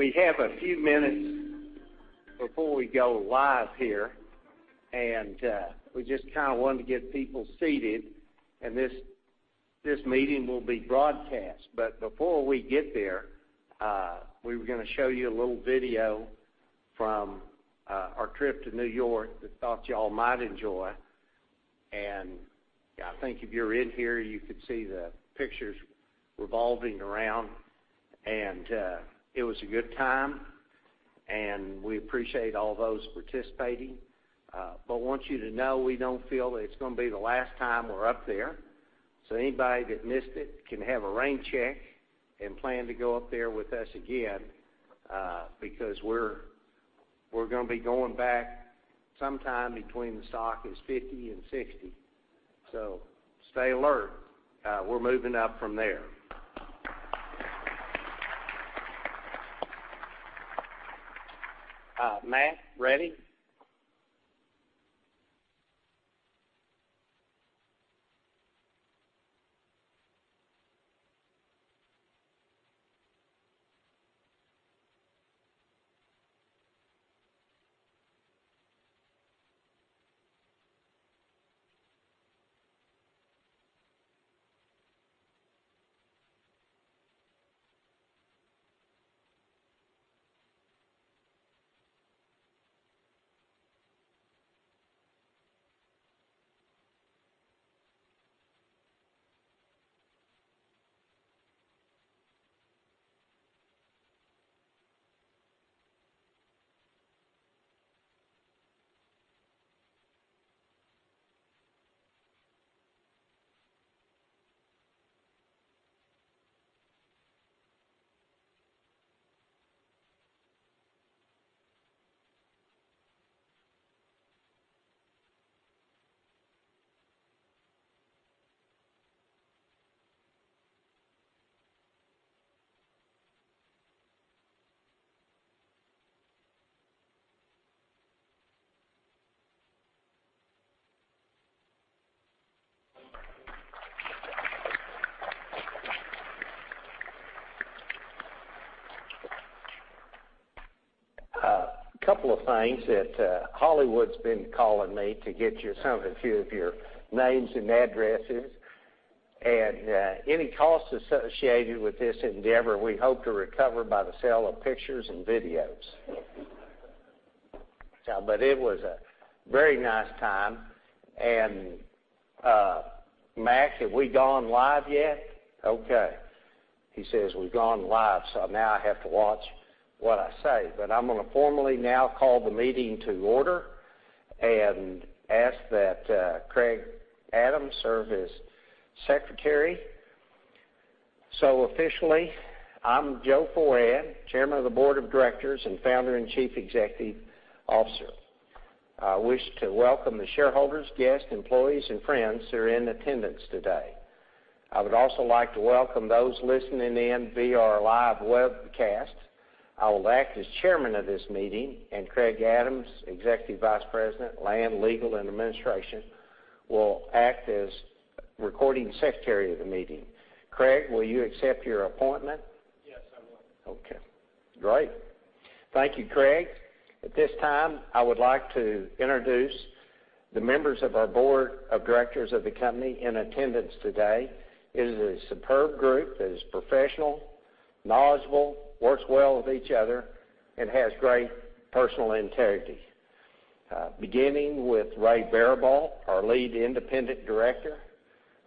We have a few minutes before we go live here, we just wanted to get people seated. This meeting will be broadcast. Before we get there, we were going to show you a little video from our trip to New York that I thought you all might enjoy. I think if you're in here, you could see the pictures revolving around. It was a good time, we appreciate all those participating. I want you to know we don't feel that it's going to be the last time we're up there. Anybody that missed it can have a rain check and plan to go up there with us again, because we're going to be going back sometime between the stock is 50 and 60. Stay alert. We're moving up from there. Matt, ready? A couple of things. That Hollywood's been calling me to get a few of your names and addresses. Any costs associated with this endeavor, we hope to recover by the sale of pictures and videos. It was a very nice time. Mac, have we gone live yet? Okay. He says we've gone live, now I have to watch what I say. I'm going to formally now call the meeting to order and ask that Craig Adams serve as Secretary. Officially, I'm Joseph Wm. Foran, Chairman of the Board of Directors and Founder and Chief Executive Officer. I wish to welcome the shareholders, guests, employees, and friends who are in attendance today. I would also like to welcome those listening in via our live webcast. I will act as Chairman of this meeting, Craig Adams, Executive Vice President, Land, Legal, and Administration, will act as Recording Secretary of the meeting. Craig, will you accept your appointment? Yes, I will. Okay, great. Thank you, Craig. At this time, I would like to introduce the members of our board of directors of the company in attendance today. It is a superb group that is professional, knowledgeable, works well with each other, and has great personal integrity. Beginning with Ray Baribault, our Lead Independent Director.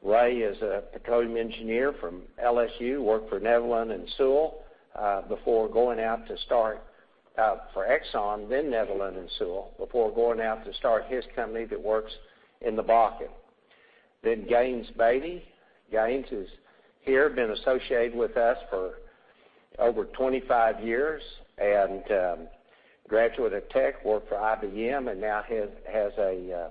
Ray is a petroleum engineer from LSU, worked for Exxon, then Netherland & Sewell, before going out to start his company that works in the Bakken. R. Gaines Baty. Gaines is here, been associated with us for over 25 years, a graduate of Tech, worked for IBM, and now has a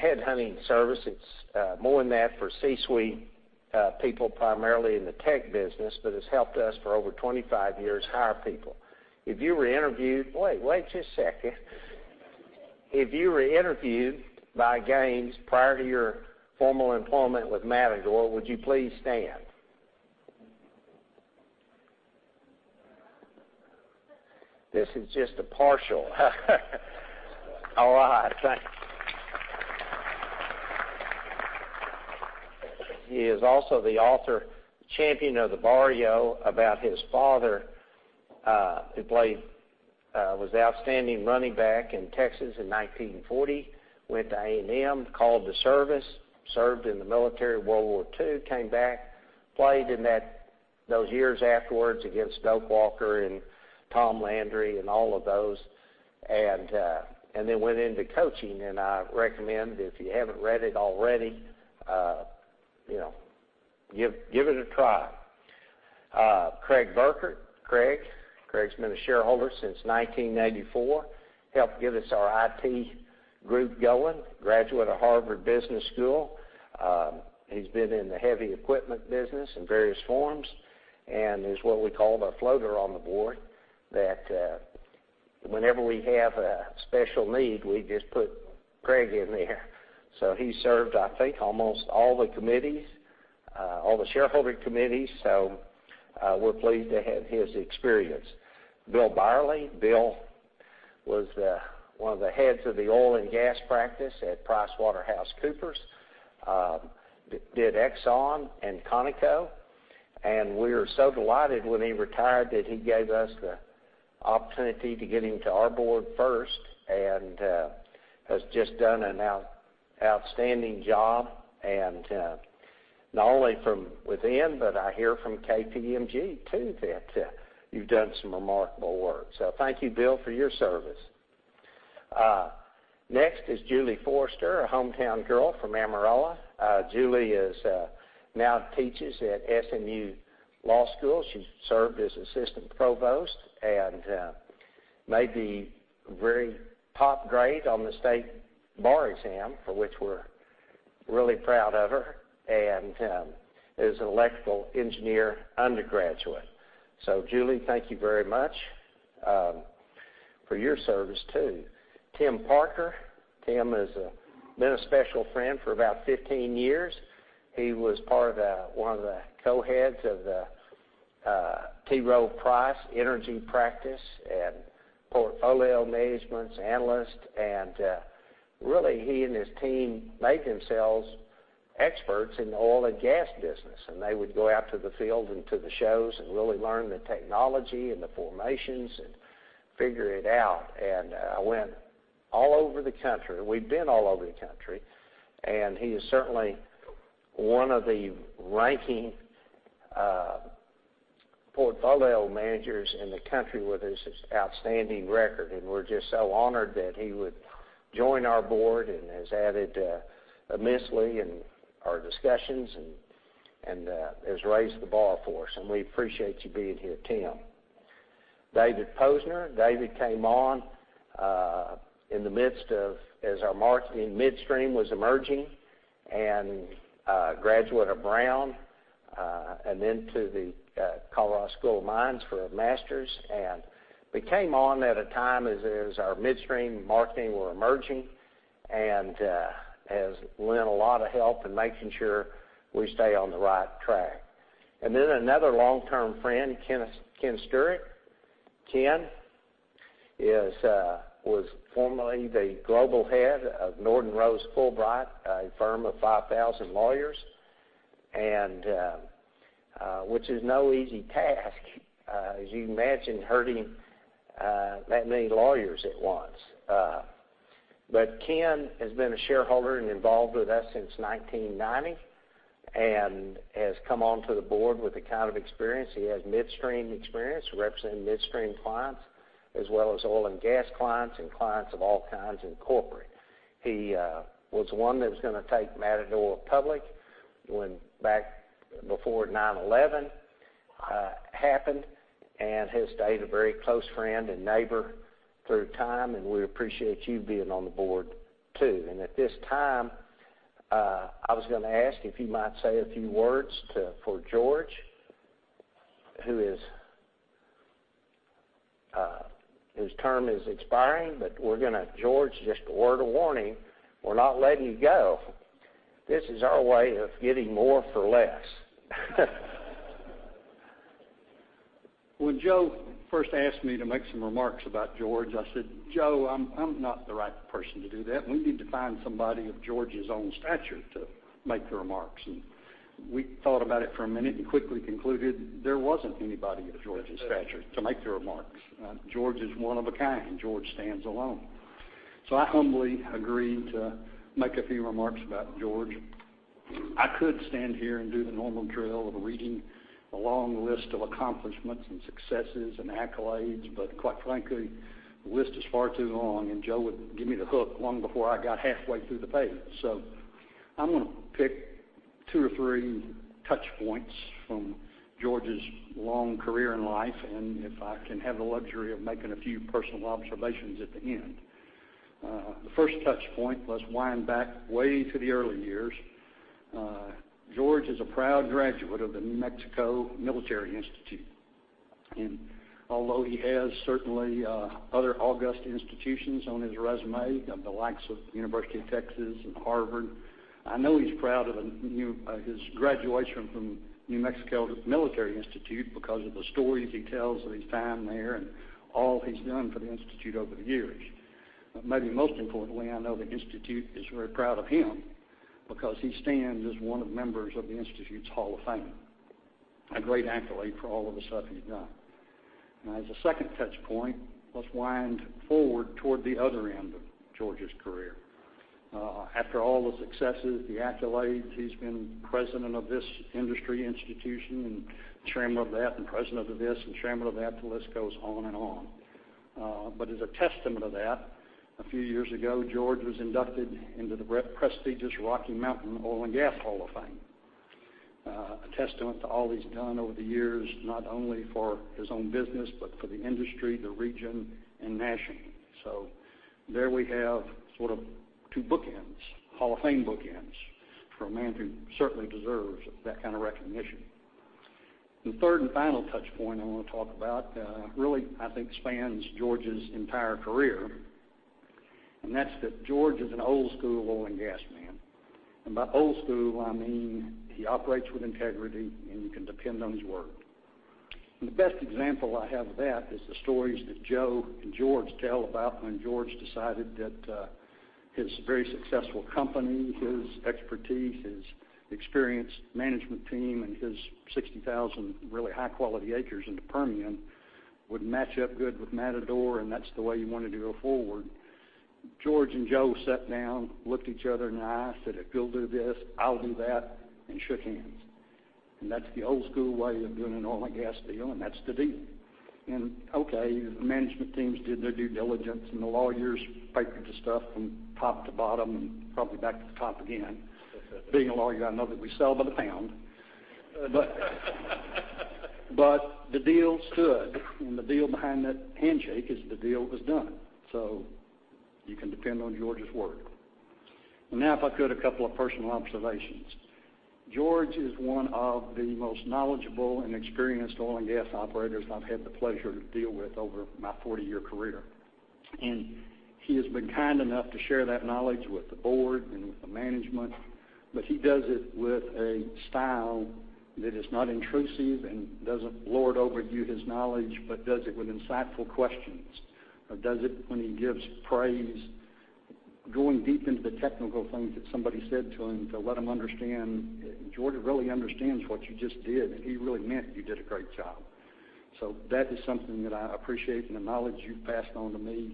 headhunting service. It's more than that for C-suite people, primarily in the tech business, has helped us for over 25 years hire people. Wait a second. If you were interviewed by Gaines prior to your formal employment with Matador, would you please stand? This is just a partial. All right, thanks. He is also the author of "Champion of the Barrio" about his father, who was the outstanding running back in Texas in 1940, went to A&M, called to service, served in the military, World War II, came back, played in those years afterwards against Doak Walker and Tom Landry and all of those, went into coaching. I recommend if you haven't read it already, give it a try. Craig Burkert. Craig's been a shareholder since 1994. Helped get us our IT group going. Graduate of Harvard Business School. He's been in the heavy equipment business in various forms, is what we call the floater on the board. Whenever we have a special need, we just put Craig in there. He's served, I think, almost all the committees, all the shareholding committees. We're pleased to have his experience. Bill Byerley. Bill was one of the heads of the oil and gas practice at PricewaterhouseCoopers, did Exxon and Conoco. We were so delighted when he retired that he gave us the opportunity to get him to our board first, has just done an outstanding job. Not only from within, but I hear from KPMG too that you've done some remarkable work. Thank you, Bill, for your service. Next is Julie Forster, a hometown girl from Amarillo. Julie now teaches at SMU Law School. She served as assistant provost, made the very top grade on the state bar exam, for which we're really proud of her, is an electrical engineer undergraduate. Julie, thank you very much for your service, too. Tim Parker. Tim has been a special friend for about 15 years. He was one of the co-heads of the T. Rowe Price energy practice and portfolio management analyst. Really, he and his team made themselves experts in the oil and gas business, they would go out to the field and to the shows, really learn the technology and the formations, figure it out. Went all over the country. We've been all over the country, he is certainly one of the ranking portfolio managers in the country with his outstanding record. We're just so honored that he would join our board, has added immensely in our discussions, has raised the bar for us. We appreciate you being here, Tim. David Posner. David came on in the midst of as our marketing midstream was emerging, a graduate of Brown and then to the Colorado School of Mines for a master's. He came on at a time as our midstream marketing were emerging, and has lent a lot of help in making sure we stay on the right track. Another long-term friend, Ken Stewart. Ken was formerly the global head of Norton Rose Fulbright, a firm of 5,000 lawyers, which is no easy task as you can imagine herding that many lawyers at once. Ken has been a shareholder and involved with us since 1990 and has come onto the board with the kind of experience he has midstream experience, representing midstream clients as well as oil and gas clients and clients of all kinds in corporate. He was one that was going to take Matador public back before 9/11 happened and has stayed a very close friend and neighbor through time, and we appreciate you being on the board, too. At this time, I was going to ask if you might say a few words for George, whose term is expiring, George, just a word of warning, we're not letting you go. This is our way of getting more for less. When Joe first asked me to make some remarks about George, I said, "Joe, I'm not the right person to do that. We need to find somebody of George's own stature to make the remarks." We thought about it for a minute and quickly concluded there wasn't anybody of George's stature to make the remarks. George is one of a kind. George stands alone. I humbly agreed to make a few remarks about George. I could stand here and do the normal drill of reading a long list of accomplishments and successes and accolades, quite frankly, the list is far too long, Joe would give me the hook long before I got halfway through the page. I'm going to pick two or three touchpoints from George's long career and life, if I can have the luxury of making a few personal observations at the end. The first touchpoint, let's wind back way to the early years. George is a proud graduate of the New Mexico Military Institute. Although he has certainly other august institutions on his resume of the likes of University of Texas and Harvard, I know he's proud of his graduation from New Mexico Military Institute because of the stories he tells of his time there and all he's done for the institute over the years. Maybe most importantly, I know the institute is very proud of him because he stands as one of the members of the Institute's Hall of Fame, a great accolade for all of the stuff he's done. As a second touchpoint, let's wind forward toward the other end of George's career. After all the successes, the accolades, he's been president of this industry institution and chairman of that and president of this and chairman of that. The list goes on and on. As a testament to that, a few years ago, George was inducted into the prestigious Rocky Mountain Oil and Gas Hall of Fame, a testament to all he's done over the years, not only for his own business but for the industry, the region, and nationally. There we have sort of two bookends, Hall of Fame bookends, for a man who certainly deserves that kind of recognition. The third and final touchpoint I want to talk about really, I think, spans George's entire career, and that's that George is an old school oil and gas man. By old school, I mean he operates with integrity, and you can depend on his word. The best example I have of that is the stories that Joe and George tell about when George decided that his very successful company, his expertise, his experienced management team, and his 60,000 really high-quality acres in the Permian would match up good with Matador, and that's the way he wanted to go forward. George and Joe sat down, looked each other in the eye, said, "If you'll do this, I'll do that," and shook hands. That's the old school way of doing an oil and gas deal, and that's the deal. Okay, the management teams did their due diligence, and the lawyers papered the stuff from top to bottom and probably back to the top again. Being a lawyer, I know that we sell by the pound. The deal stood, and the deal behind that handshake is the deal was done. You can depend on George's word. Now if I could, a couple of personal observations. George is one of the most knowledgeable and experienced oil and gas operators I've had the pleasure to deal with over my 40-year career. He has been kind enough to share that knowledge with the board and with the management, but he does it with a style that is not intrusive and doesn't lord over you his knowledge, but does it with insightful questions, or does it when he gives praise, going deep into the technical things that somebody said to him to let him understand George really understands what you just did, and he really meant you did a great job. That is something that I appreciate, and the knowledge you've passed on to me,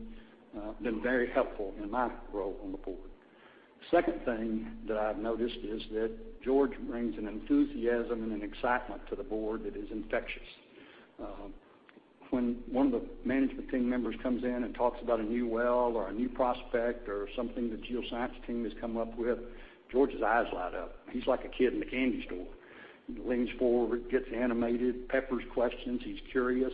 been very helpful in my role on the board. Second thing that I've noticed is that George brings an enthusiasm and an excitement to the board that is infectious. When one of the management team members comes in and talks about a new well, or a new prospect, or something the geoscience team has come up with, George's eyes light up. He's like a kid in a candy store. He leans forward, gets animated, peppers questions. He's curious.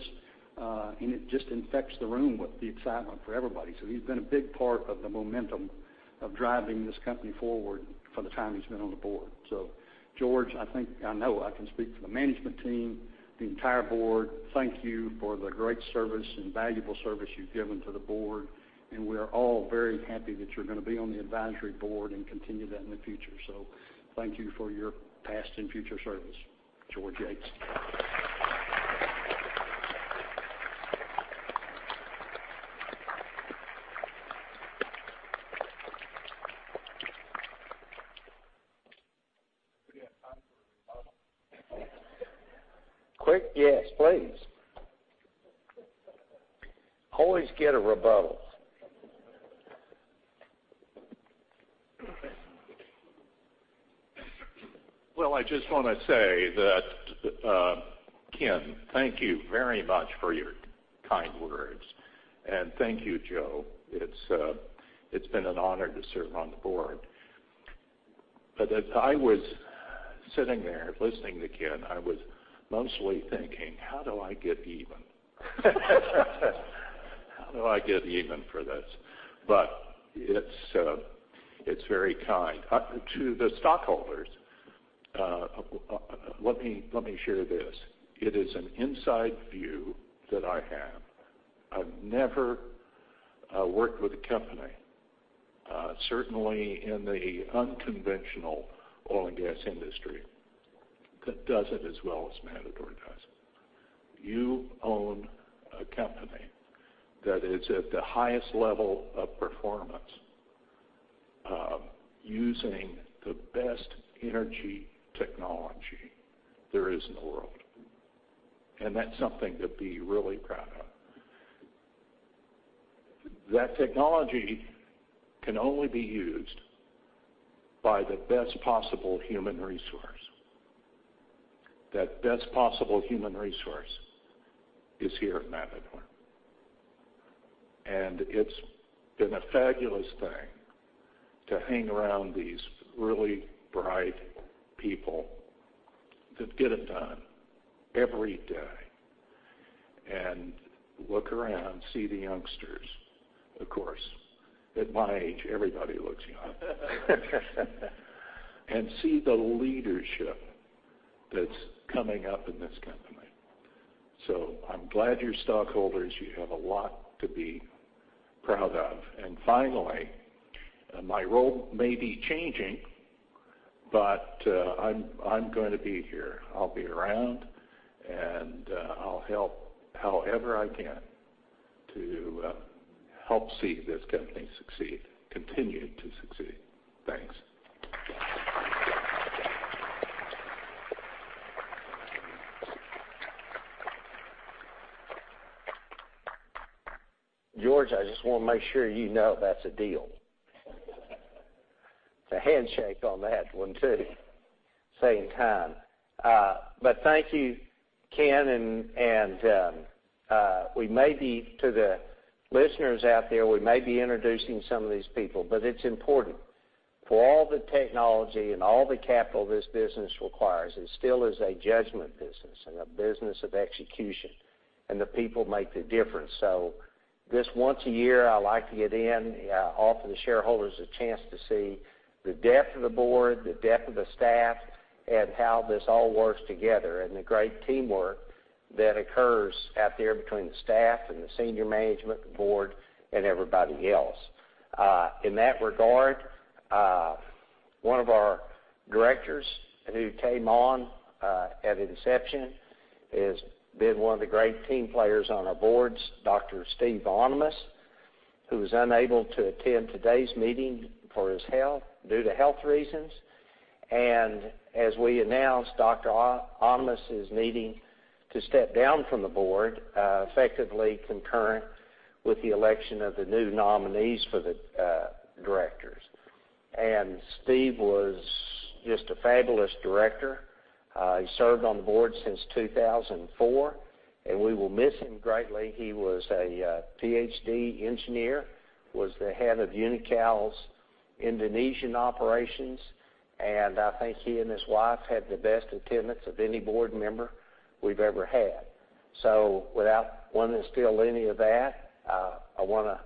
It just infects the room with the excitement for everybody. He's been a big part of the momentum of driving this company forward for the time he's been on the board. George, I think I know I can speak for the management team, the entire board, thank you for the great service and valuable service you've given to the board, and we're all very happy that you're going to be on the advisory board and continue that in the future. Thank you for your past and future service, George Yates. Do we have time for a rebuttal? Quick, yes, please. Always get a rebuttal. I just want to say that, Ken, thank you very much for your kind words. Thank you, Joe. It's been an honor to serve on the board. As I was sitting there listening to Ken, I was mostly thinking, how do I get even? How do I get even for this? It's very kind. To the stockholders, let me share this. It is an inside view that I have. I've never worked with a company, certainly in the unconventional oil and gas industry, that does it as well as Matador does it. You own a company that is at the highest level of performance, using the best energy technology there is in the world. That's something to be really proud of. That technology can only be used by the best possible human resource. That best possible human resource is here at Matador. It's been a fabulous thing to hang around these really bright people that get it done every day and look around, see the youngsters. Of course, at my age, everybody looks young. See the leadership that's coming up in this company. I'm glad you're stockholders. You have a lot to be proud of. Finally, my role may be changing, but I'm going to be here. I'll be around, and I'll help however I can to help see this company succeed, continue to succeed. Thanks. George, I just want to make sure you know that's a deal. It's a handshake on that one, too. Saying time. Thank you, Ken, and we may be to the listeners out there, we may be introducing some of these people, but it's important. For all the technology and all the capital this business requires, it still is a judgment business and a business of execution. The people make the difference. This once a year, I like to get in, offer the shareholders a chance to see the depth of the board, the depth of the staff, and how this all works together, and the great teamwork that occurs out there between the staff and the senior management, the board, and everybody else. In that regard, one of our directors who came on at inception has been one of the great team players on our boards, Dr. Steve Onimus, who is unable to attend today's meeting due to health reasons. As we announced, Dr. Onimus is needing to step down from the board, effectively concurrent with the election of the new nominees for the directors. Steve was just a fabulous director. He served on the board since 2004, and we will miss him greatly. He was a PhD engineer, was the head of Unocal's Indonesian operations, and I think he and his wife had the best attendance of any board member we've ever had. Without wanting to steal any of that, I want to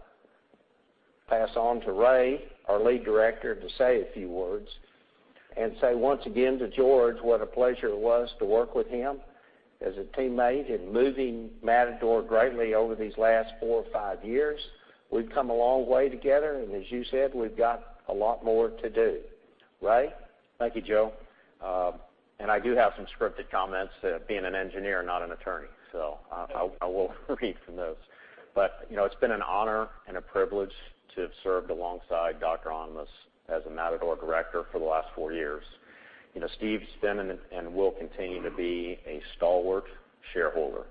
pass on to Ray, our Lead Director, to say a few words and say once again to George what a pleasure it was to work with him as a teammate in moving Matador greatly over these last four or five years. We've come a long way together. As you said, we've got a lot more to do. Ray? Thank you, Joe. I do have some scripted comments, being an engineer, not an attorney, I will read from those. It's been an honor and a privilege to have served alongside Dr. Onimus as a Matador director for the last four years. Steve's been and will continue to be a stalwart shareholder.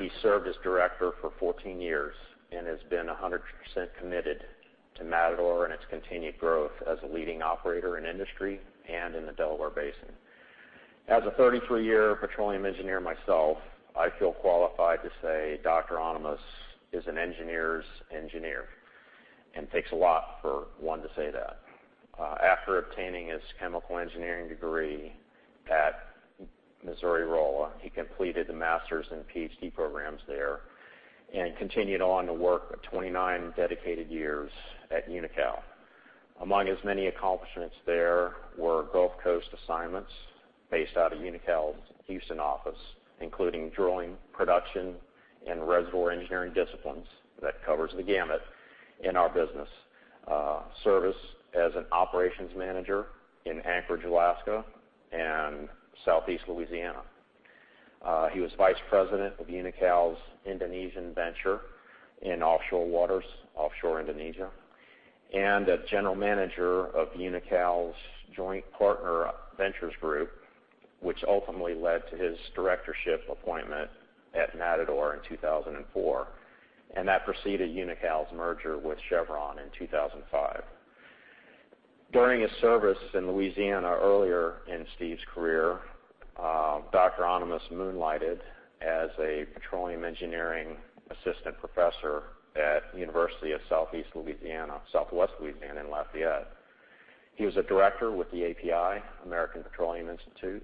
He served as director for 14 years and has been 100% committed to Matador and its continued growth as a leading operator in industry and in the Delaware Basin. As a 33-year petroleum engineer myself, I feel qualified to say Dr. Onimus is an engineer's engineer, and it takes a lot for one to say that. After obtaining his chemical engineering degree at Missouri Rolla, he completed the master's and PhD programs there and continued on to work 29 dedicated years at Unocal. Among his many accomplishments there were Gulf Coast assignments based out of Unocal's Houston office, including drilling, production, and reservoir engineering disciplines that covers the gamut in our business. Service as an operations manager in Anchorage, Alaska, and Southeast Louisiana. He was vice president of Unocal's Indonesian venture in offshore waters, offshore Indonesia, and a general manager of Unocal's joint partner ventures group, which ultimately led to his directorship appointment at Matador in 2004. That preceded Unocal's merger with Chevron in 2005. During his service in Louisiana earlier in Steve's career, Dr. Onimus moonlighted as a petroleum engineering assistant professor at University of Southwestern Louisiana in Lafayette. He was a director with the API, American Petroleum Institute,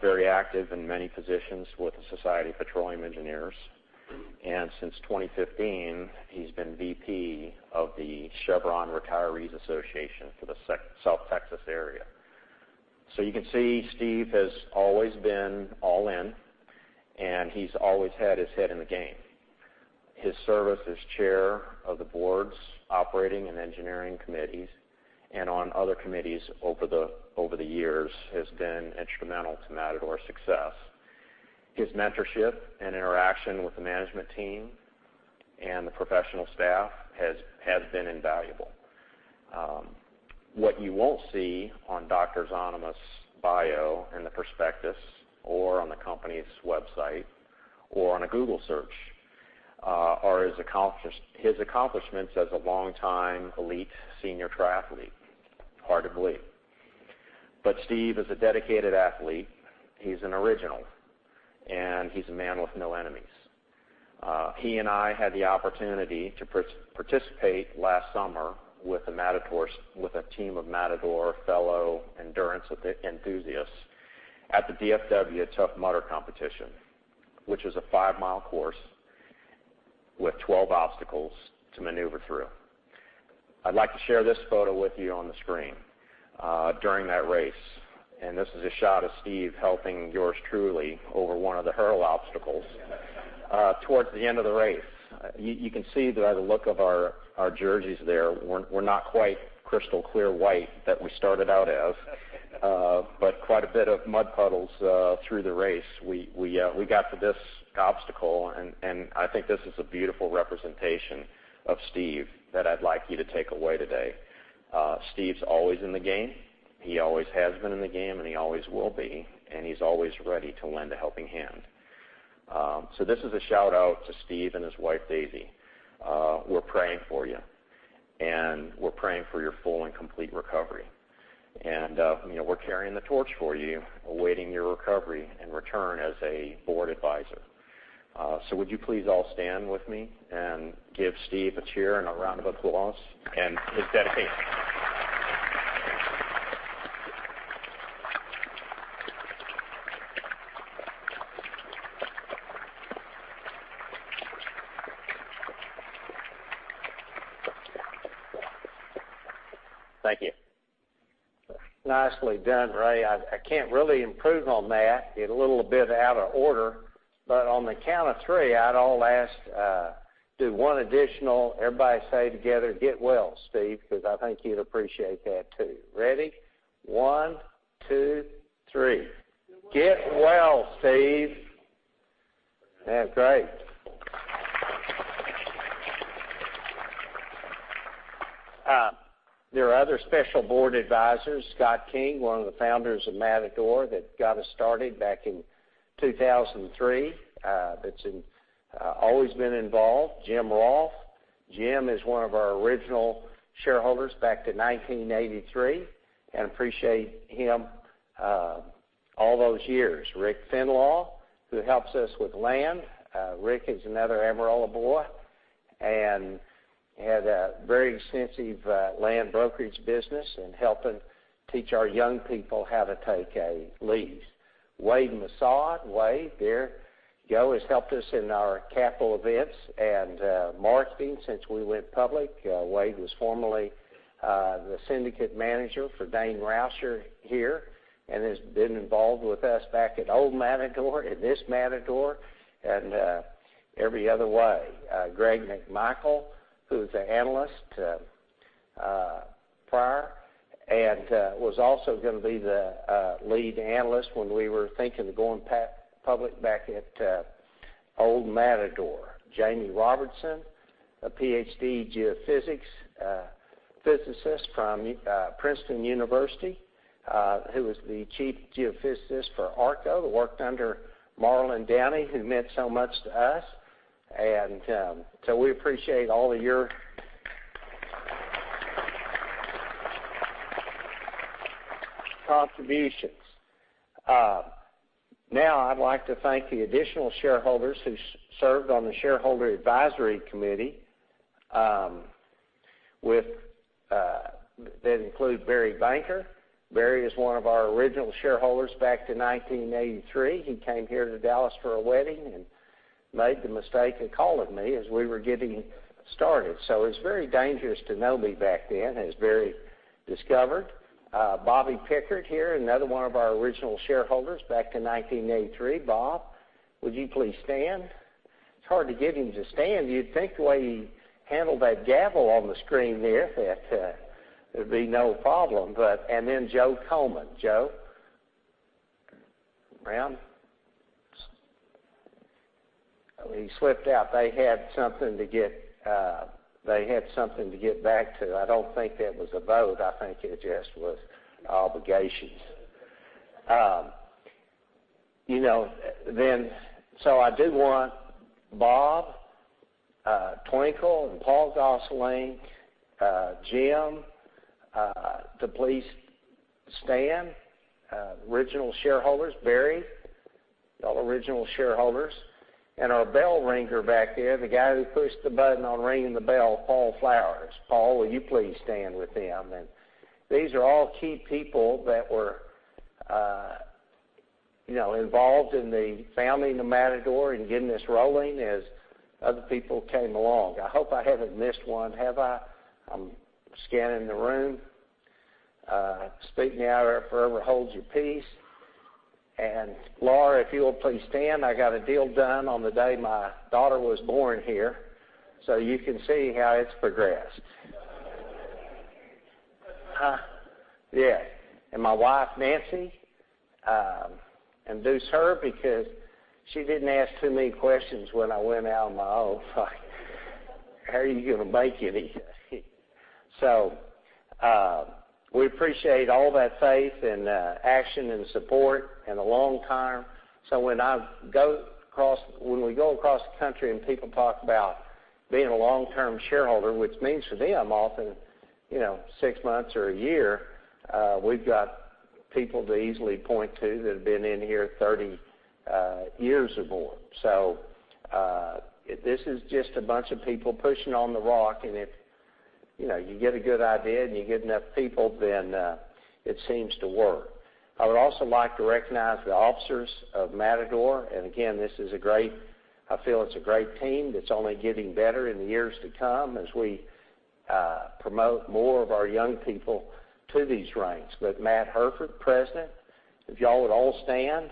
very active in many positions with the Society of Petroleum Engineers, and since 2015, he's been VP of the Chevron Retirees Association for the South Texas area. You can see Steve has always been all in, and he's always had his head in the game. His service as chair of the board's operating and engineering committees and on other committees over the years has been instrumental to Matador's success. His mentorship and interaction with the management team and the professional staff has been invaluable. What you won't see on Dr. Onimus' bio in the prospectus or on the company's website or on a Google search are his accomplishments as a longtime elite senior triathlete. Hard to believe. Steve is a dedicated athlete. He's an original, and he's a man with no enemies. He and I had the opportunity to participate last summer with a team of Matador fellow endurance enthusiasts at the DFW Tough Mudder competition, which is a five-mile course with 12 obstacles to maneuver through. I'd like to share this photo with you on the screen during that race, and this is a shot of Steve helping yours truly over one of the hurdle obstacles towards the end of the race. You can see by the look of our jerseys there we're not quite the crystal clear white that we started out as. Quite a bit of mud puddles through the race. We got to this obstacle, and I think this is a beautiful representation of Steve that I'd like you to take away today. Steve's always in the game. He always has been in the game, and he always will be, and he's always ready to lend a helping hand. This is a shout-out to Steve and his wife, Daisy. We're praying for you, and we're praying for your full and complete recovery. We're carrying the torch for you, awaiting your recovery and return as a board advisor. Would you please all stand with me and give Steve a cheer and a round of applause and his dedication? Thank you. Nicely done, Ray. I can't really improve on that. Get a little bit out of order, but on the count of three, I'd all ask, do one additional, everybody say together, "Get well, Steve," because I think he'd appreciate that, too. Ready? One, two, three. Get well, Steve. Get well, Steve. Great. There are other special board advisors, Scott King, one of the founders of Matador that got us started back in 2003, that's always been involved. Jim Rolfe. Jim is one of our original shareholders back to 1983. Appreciate him all those years. Rick Fenlaw, who helps us with land. Rick is another Amarillo boy. Had a very extensive land brokerage business and helping teach our young people how to take a lease. Wade Massad. Wade, there you go, has helped us in our capital events and marketing since we went public. Wade was formerly the syndicate manager for Dain Rauscher here. Has been involved with us back at old Matador and this Matador and every other way. Greg McMichael, who was an analyst prior and was also going to be the lead analyst when we were thinking of going public back at old Matador. Jamie Robertson, a PhD geophysicist from Princeton University, who was the chief geophysicist for ARCO, that worked under Marlan Downey, who meant so much to us. We appreciate all of your contributions. Now I'd like to thank the additional shareholders who served on the shareholder advisory committee that include Barry Banker. Barry is one of our original shareholders back to 1983. He came here to Dallas for a wedding and made the mistake of calling me as we were getting started. It's very dangerous to know me back then, as Barry discovered. Bobby Pickard here, another one of our original shareholders back in 1983. Bob, would you please stand? It's hard to get him to stand. You'd think the way he handled that gavel on the screen there that there'd be no problem. Joe Coleman. Joe? Around? He slipped out. They had something to get back to. I don't think that was a boat. I think it just was obligations. I do want [Bob Twinkle] and Paul Gosselin, Jim to please stand. Original shareholders. Barry. All original shareholders. Our bell ringer back there, the guy who pushed the button on ringing the bell, Paul Flowers. Paul, will you please stand with them? These are all key people that were involved in the founding of Matador and getting this rolling as other people came along. I hope I haven't missed one. Have I? I'm scanning the room. Speak now or forever hold your peace. Laura, if you will please stand. I got a deal done on the day my daughter was born here. You can see how it's progressed. Yeah. My wife, Nancy, induce her because she didn't ask too many questions when I went out on my own, like, "How are you going to make it?" We appreciate all that faith and action and support and a long time. When we go across the country and people talk about being a long-term shareholder, which means to them often six months or a year, we've got people to easily point to that have been in here 30 years or more. This is just a bunch of people pushing on the rock, if you get a good idea and you get enough people, then it seems to work. I would also like to recognize the officers of Matador. I feel it's a great team that's only getting better in the years to come as we promote more of our young people to these ranks. With Matt Hairford, President. If you all would all stand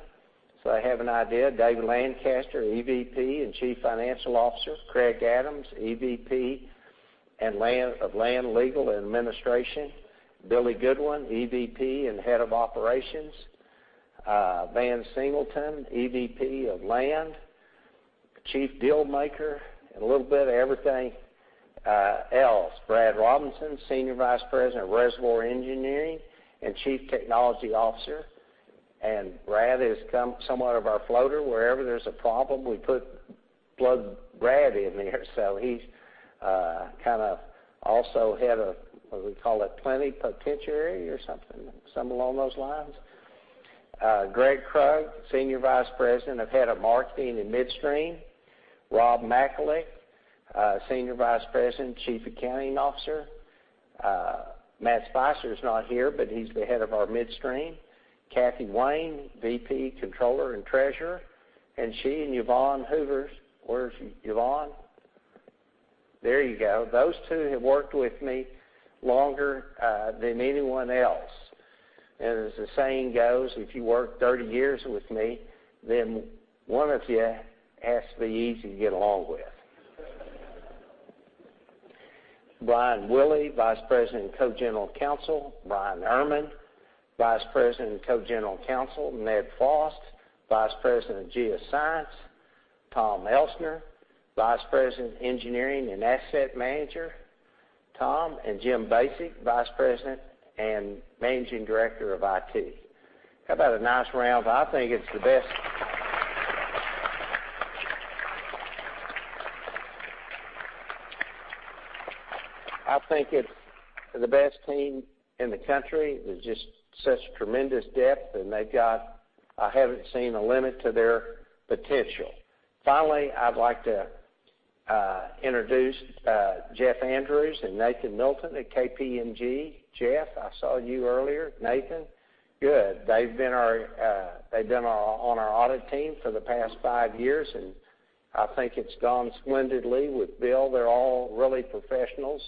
so I have an idea. David Lancaster, EVP and Chief Financial Officer. Craig Adams, EVP of Land, Legal, and Administration. Billy Goodwin, EVP and Head of Operations. Van Singleton, EVP of Land, Chief Deal Maker, and a little bit of everything else. Brad Robinson, Senior Vice President of Reservoir Engineering and Chief Technology Officer. Brad has come somewhat of our floater. Wherever there's a problem, we plug Brad in there. He's kind of also head of, what do we call it, [plan and potentiality] or something along those lines. Gregg Krug, Senior Vice President of Head of Marketing and Midstream. Rob Macalik, Senior Vice President and Chief Accounting Officer. Matt Spicer is not here, but he's the head of our midstream. Kathy Wayne, VP, Controller, and Treasurer. She and Yvonne Hoover. Where is she? Yvonne? There you go. Those two have worked with me longer than anyone else. As the saying goes, if you work 30 years with me, then one of you has to be easy to get along with. Brian Willey, Vice President and Co-General Counsel. Bryan Erman, Vice President and Co-General Counsel. Ned Frost, Vice President of Geoscience. Tom Elsener, Vice President of Engineering and Asset Manager. Tom and Jim Basic, Vice President and Managing Director of IT. How about a nice round. I think it's the best. I think it's the best team in the country. There's just such tremendous depth, and I haven't seen a limit to their potential. Finally, I'd like to introduce Jeff Andrews and Nathan Milton at KPMG. Jeff, I saw you earlier. Nathan. Good. They've been on our audit team for the past five years. I think it's gone splendidly with Bill. They're all really professionals.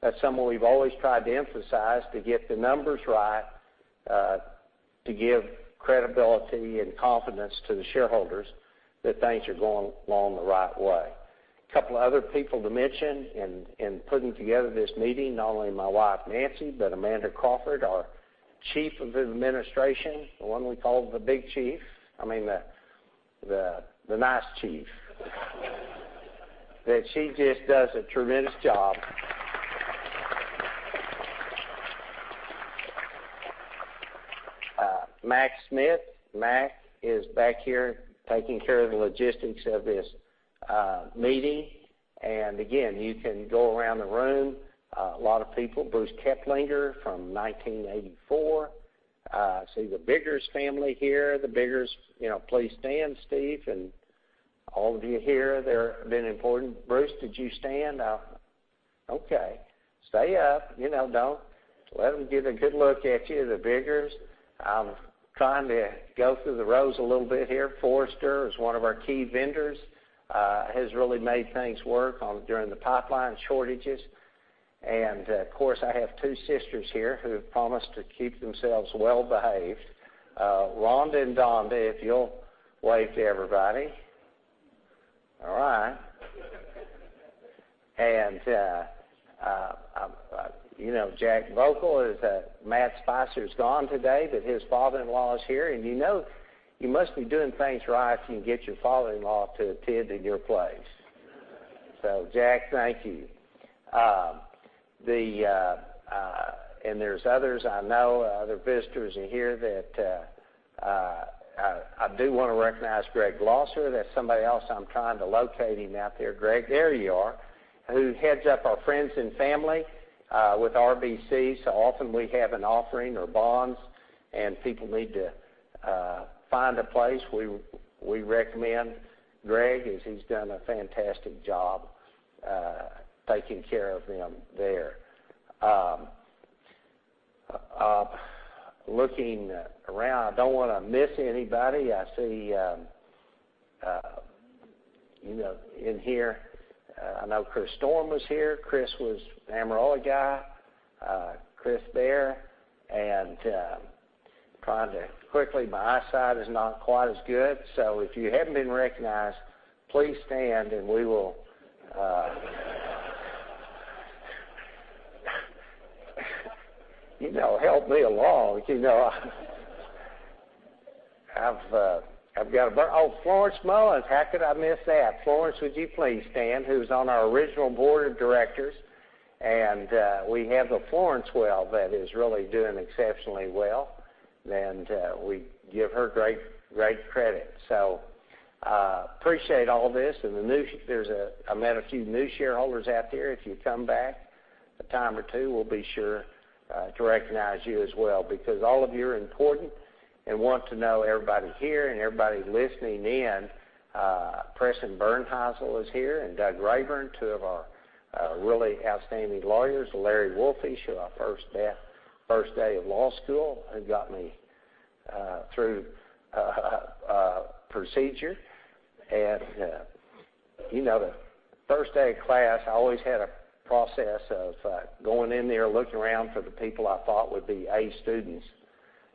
That's something we've always tried to emphasize to get the numbers right to give credibility and confidence to the shareholders that things are going along the right way. A couple of other people to mention in putting together this meeting, not only my wife, Nancy, but Amanda Crawford, our Chief of Administration, the one we call the Big Chief. I mean, the nice chief. She just does a tremendous job. Mac Schmitz. Mac is back here taking care of the logistics of this meeting. Again, you can go around the room. A lot of people. Bruce Keplinger from 1984. I see the Biggers family here. The Biggers, please stand, Steve, and all of you here. They've been important. Bruce, did you stand? Okay. Stay up. Let them get a good look at you. The Biggers. I'm trying to go through the rows a little bit here. Forrester is one of our key vendors. Has really made things work during the pipeline shortages. Of course, I have two sisters here who have promised to keep themselves well-behaved. Ronda and Donda, if you'll wave to everybody. All right. You know Jack Vogel. Matt Spicer's gone today, but his father-in-law is here. You know you must be doing things right if you can get your father-in-law to attend in your place. Jack, thank you. There's others I know, other visitors in here that I do want to recognize. Greg Glosser. That's somebody else I'm trying to locate him out there. Greg. There you are. Who heads up our friends and family with RBC. So often we have an offering or bonds and people need to find a place, we recommend Greg, as he's done a fantastic job taking care of them there. Looking around, I don't want to miss anybody. I see in here, I know Chris Storm was here. Chris was an Amerada guy. Chris Bear, trying to quickly. My eyesight is not quite as good. If you haven't been recognized, please stand, and we will- Help me along. Oh, Florence Mullins. How could I miss that? Florence, would you please stand, who's on our original board of directors. We have the Florence Well that is really doing exceptionally well, and we give her great credit. So appreciate all this, and I met a few new shareholders out there. If you come back a time or two, we'll be sure to recognize you as well because all of you are important and want to know everybody here and everybody listening in. Preston Bernheisel is here and Doug Rayburn, two of our really outstanding lawyers. Larry Wolfish, who I first met first day of law school, who got me through procedure. The first day of class, I always had a process of going in there, looking around for the people I thought would be A students,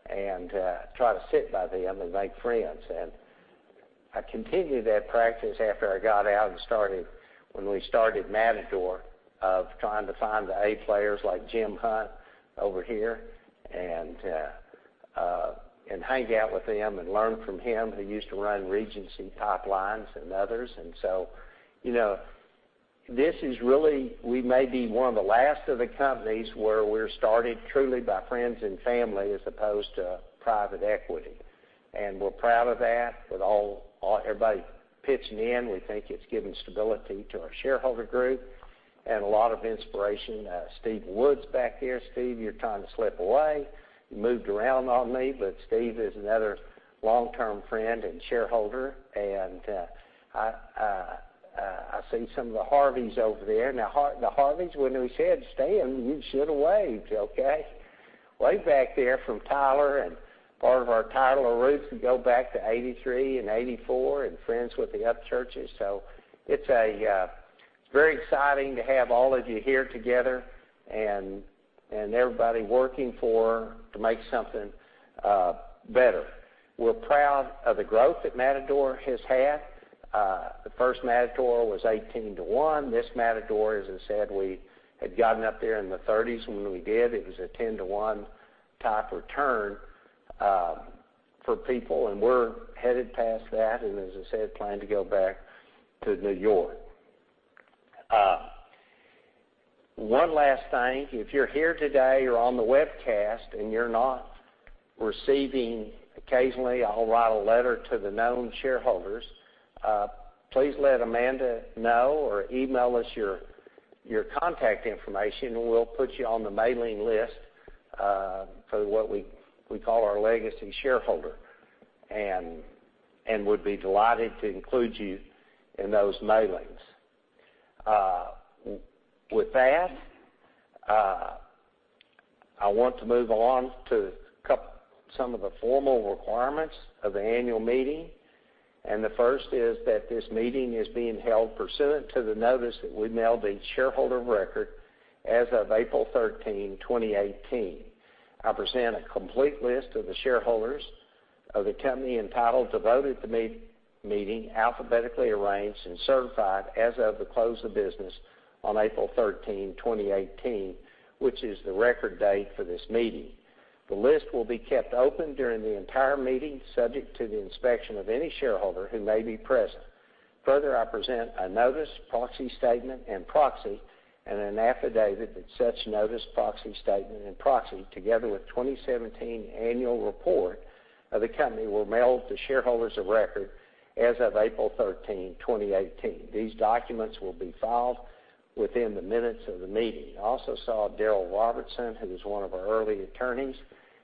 and try to sit by them and make friends. I continued that practice after I got out and when we started Matador of trying to find the A players like Jim Hunt over here and hang out with him and learn from him, who used to run Regency Energy Partners and others. So we may be one of the last of the companies where we're started truly by friends and family as opposed to private equity. We're proud of that. With everybody pitching in, we think it's given stability to our shareholder group. A lot of inspiration. Steve Woods back there. Steve, you're trying to slip away. You moved around on me, but Steve is another long-term friend and shareholder. I see some of the Harveys over there. Now, the Harveys, when we said stand, you should've waved, okay? Wave back there from Tyler. Part of our Tyler roots go back to '83 and '84. Friends with the Upchurchs. It's very exciting to have all of you here together and everybody working to make something better. We're proud of the growth that Matador has had. The first Matador was 18:1. This Matador, as I said, we had gotten up there in the 30s. When we did, it was a 10:1 type return for people. As I said, plan to go back to New York. One last thing. If you're here today or on the webcast and you're not receiving-- occasionally I'll write a letter to the known shareholders, please let Amanda know or email us your contact information and we'll put you on the mailing list, for what we call our legacy shareholder. Would be delighted to include you in those mailings. With that, I want to move along to some of the formal requirements of the annual meeting. The first is that this meeting is being held pursuant to the notice that we mailed each shareholder of record as of April 13, 2018. I present a complete list of the shareholders of the company entitled to vote at the meeting, alphabetically arranged and certified as of the close of business on April 13, 2018, which is the record date for this meeting. The list will be kept open during the entire meeting, subject to the inspection of any shareholder who may be present. Further, I present a notice, proxy statement and proxy, and an affidavit that such notice, proxy statement and proxy, together with 2017 annual report of the company, were mailed to shareholders of record as of April 13, 2018. These documents will be filed within the minutes of the meeting. I also saw Daryl Robertson, who was one of our early attorneys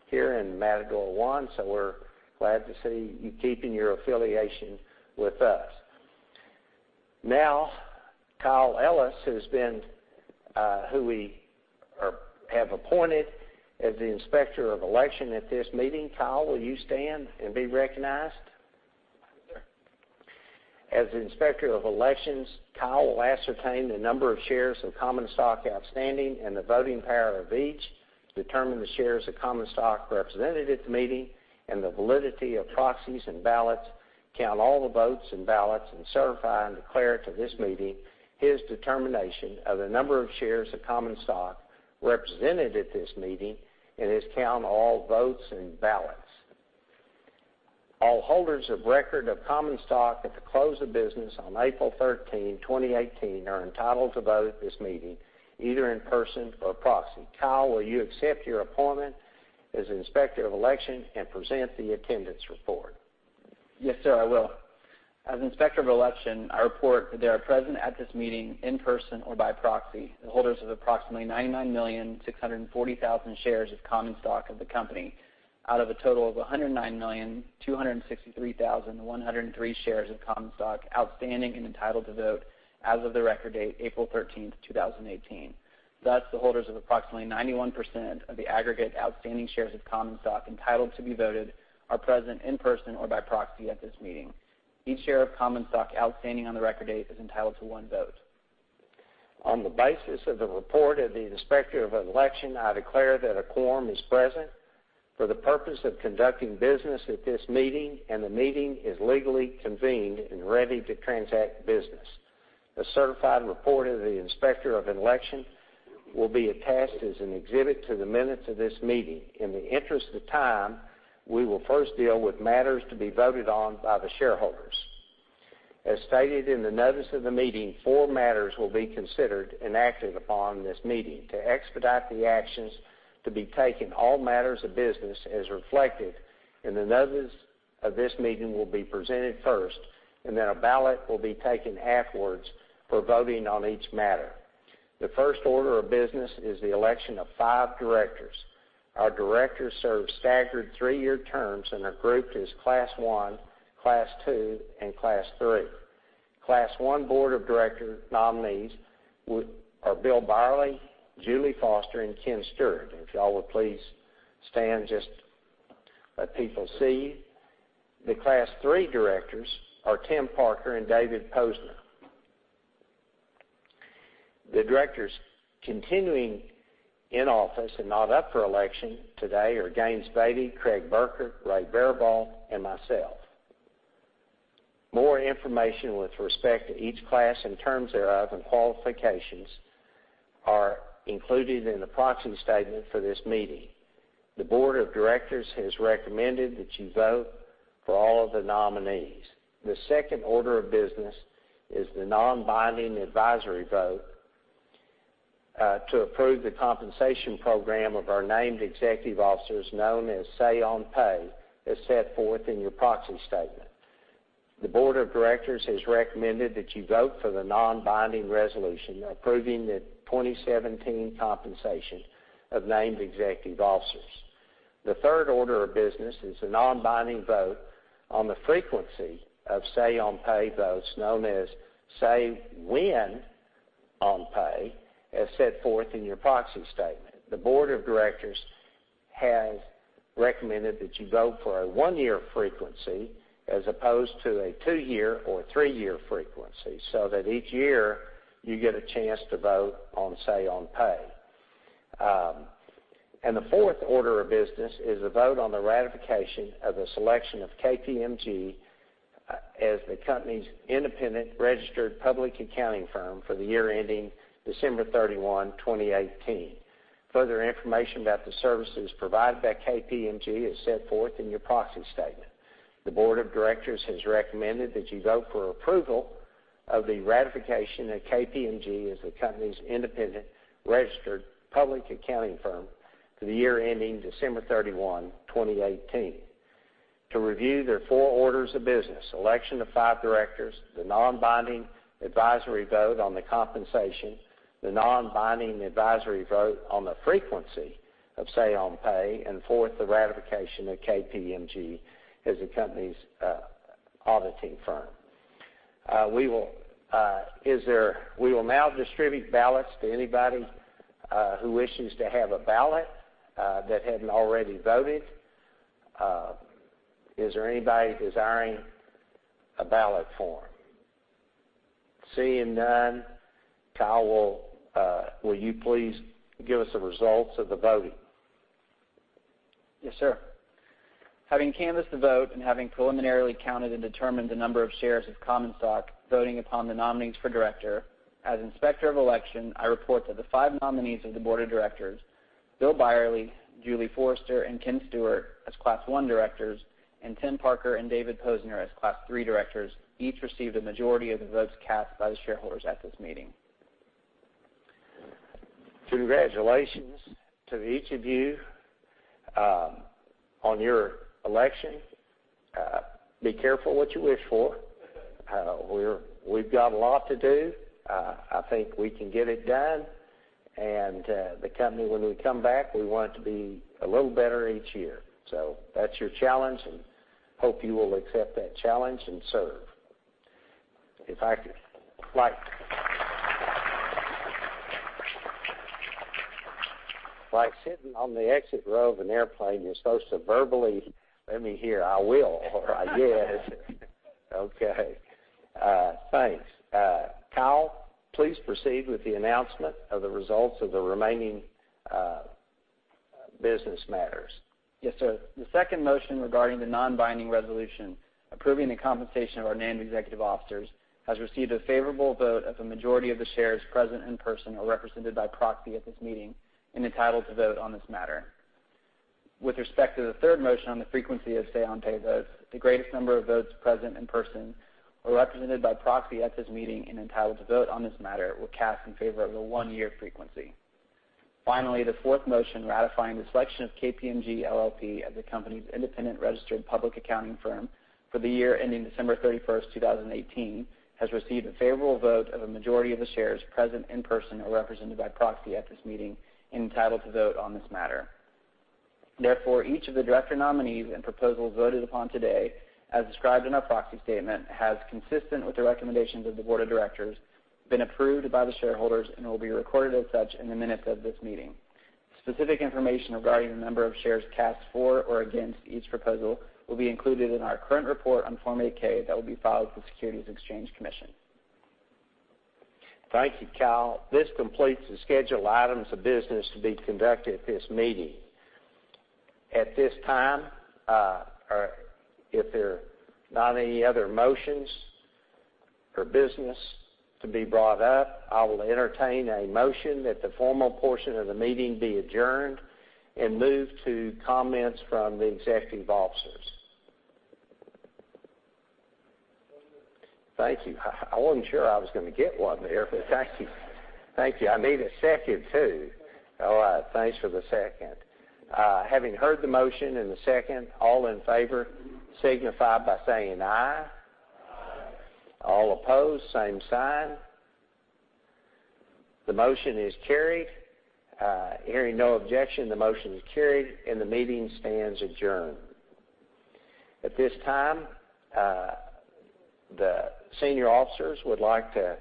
here in Matador One. We're glad to see you keeping your affiliation with us. Kyle Ellis, who we have appointed as the Inspector of Election at this meeting. Kyle, will you stand and be recognized? Yes, sir. As Inspector of Election, Kyle will ascertain the number of shares of common stock outstanding and the voting power of each to determine the shares of common stock represented at the meeting and the validity of proxies and ballots, count all the votes and ballots, and certify and declare to this meeting his determination of the number of shares of common stock represented at this meeting and his count of all votes and ballots. All holders of record of common stock at the close of business on April 13, 2018, are entitled to vote at this meeting, either in person or proxy. Kyle, will you accept your appointment as Inspector of Election and present the attendance report? Yes, sir, I will. As Inspector of Election, I report that they are present at this meeting in person or by proxy, the holders of approximately 99,640,000 shares of common stock of the company out of a total of 109,263,103 shares of common stock outstanding and entitled to vote as of the record date, April 13th, 2018. Thus, the holders of approximately 91% of the aggregate outstanding shares of common stock entitled to be voted are present in person or by proxy at this meeting. Each share of common stock outstanding on the record date is entitled to one vote. On the basis of the report of the Inspector of Election, I declare that a quorum is present for the purpose of conducting business at this meeting. The meeting is legally convened and ready to transact business. The certified report of the Inspector of Election will be attached as an exhibit to the minutes of this meeting. In the interest of time, we will first deal with matters to be voted on by the shareholders. As stated in the notice of the meeting, four matters will be considered enacted upon this meeting. To expedite the actions to be taken, all matters of business, as reflected in the notice of this meeting, will be presented first. A ballot will be taken afterwards for voting on each matter. The first order of business is the election of five directors. Our directors serve staggered three-year terms and are grouped as Class One, Class Two, and Class Three. Class One board of director nominees are Bill Byerley, Julie Forrester, and Ken Stewart. If y'all would please stand, just let people see you. The Class Three directors are Tim Parker and David Posner. The directors continuing in office and not up for election today are Gaines Baty, Craig Burkert, Ray Baribault, and myself. More information with respect to each class and terms thereof and qualifications are included in the proxy statement for this meeting. The board of directors has recommended that you vote for all of the nominees. The second order of business is the non-binding advisory vote, to approve the compensation program of our named executive officers known as Say on Pay, as set forth in your proxy statement. The board of directors has recommended that you vote for the non-binding resolution approving the 2017 compensation of named executive officers. The third order of business is a non-binding vote on the frequency of Say on Pay votes, known as Say When on Pay, as set forth in your proxy statement. The board of directors has recommended that you vote for a one-year frequency as opposed to a two-year or three-year frequency, so that each year you get a chance to vote on Say on Pay. The fourth order of business is a vote on the ratification of the selection of KPMG as the company's independent registered public accounting firm for the year ending December 31, 2018. Further information about the services provided by KPMG is set forth in your proxy statement. The board of directors has recommended that you vote for approval of the ratification that KPMG is the company's independent registered public accounting firm for the year ending December 31, 2018. To review, there are four orders of business, election of five directors, the non-binding advisory vote on the compensation, the non-binding advisory vote on the frequency of Say on Pay, and fourth, the ratification of KPMG as the company's auditing firm. We will now distribute ballots to anybody who wishes to have a ballot that hadn't already voted. Is there anybody desiring a ballot form? Seeing none, Kyle, will you please give us the results of the voting? Yes, sir. Having canvassed the vote and having preliminarily counted and determined the number of shares of common stock voting upon the nominees for director, as Inspector of Election, I report that the five nominees of the board of directors, Bill Byerley, Julie Forster, and Ken Stewart as Class I directors, and Tim Parker and David Posner as Class III directors, each received a majority of the votes cast by the shareholders at this meeting. Congratulations to each of you on your election. Be careful what you wish for. We've got a lot to do. I think we can get it done, the company, when we come back, we want it to be a little better each year. That's your challenge, and hope you will accept that challenge and serve. If I could Like sitting on the exit row of an airplane, you're supposed to verbally let me hear, "I will" or "I did." Okay. Thanks. Kyle, please proceed with the announcement of the results of the remaining business matters. Yes, sir. The second motion regarding the non-binding resolution approving the compensation of our named executive officers has received a favorable vote of a majority of the shares present in person or represented by proxy at this meeting and entitled to vote on this matter. With respect to the third motion on the frequency of Say on Pay votes, the greatest number of votes present in person or represented by proxy at this meeting and entitled to vote on this matter were cast in favor of the one-year frequency. Finally, the fourth motion ratifying the selection of KPMG LLP as the company's independent registered public accounting firm for the year ending December 31st, 2018, has received a favorable vote of a majority of the shares present in person or represented by proxy at this meeting entitled to vote on this matter. Each of the director nominees and proposals voted upon today, as described in our proxy statement, has, consistent with the recommendations of the Board of Directors, been approved by the shareholders and will be recorded as such in the minutes of this meeting. Specific information regarding the number of shares cast for or against each proposal will be included in our current report on Form 8-K that will be filed with the Securities and Exchange Commission. Thank you, Kyle. This completes the scheduled items of business to be conducted at this meeting. At this time, if there are not any other motions for business to be brought up, I will entertain a motion that the formal portion of the meeting be adjourned and move to comments from the executive officers. So moved. Thank you. I wasn't sure I was going to get one there, but thank you. Thank you. I need a second, too. Second. All right. Thanks for the second. Having heard the motion and the second, all in favor signify by saying aye. Aye. All opposed, same sign. The motion is carried. Hearing no objection, the motion is carried, and the meeting stands adjourned. At this time, the senior officers would like to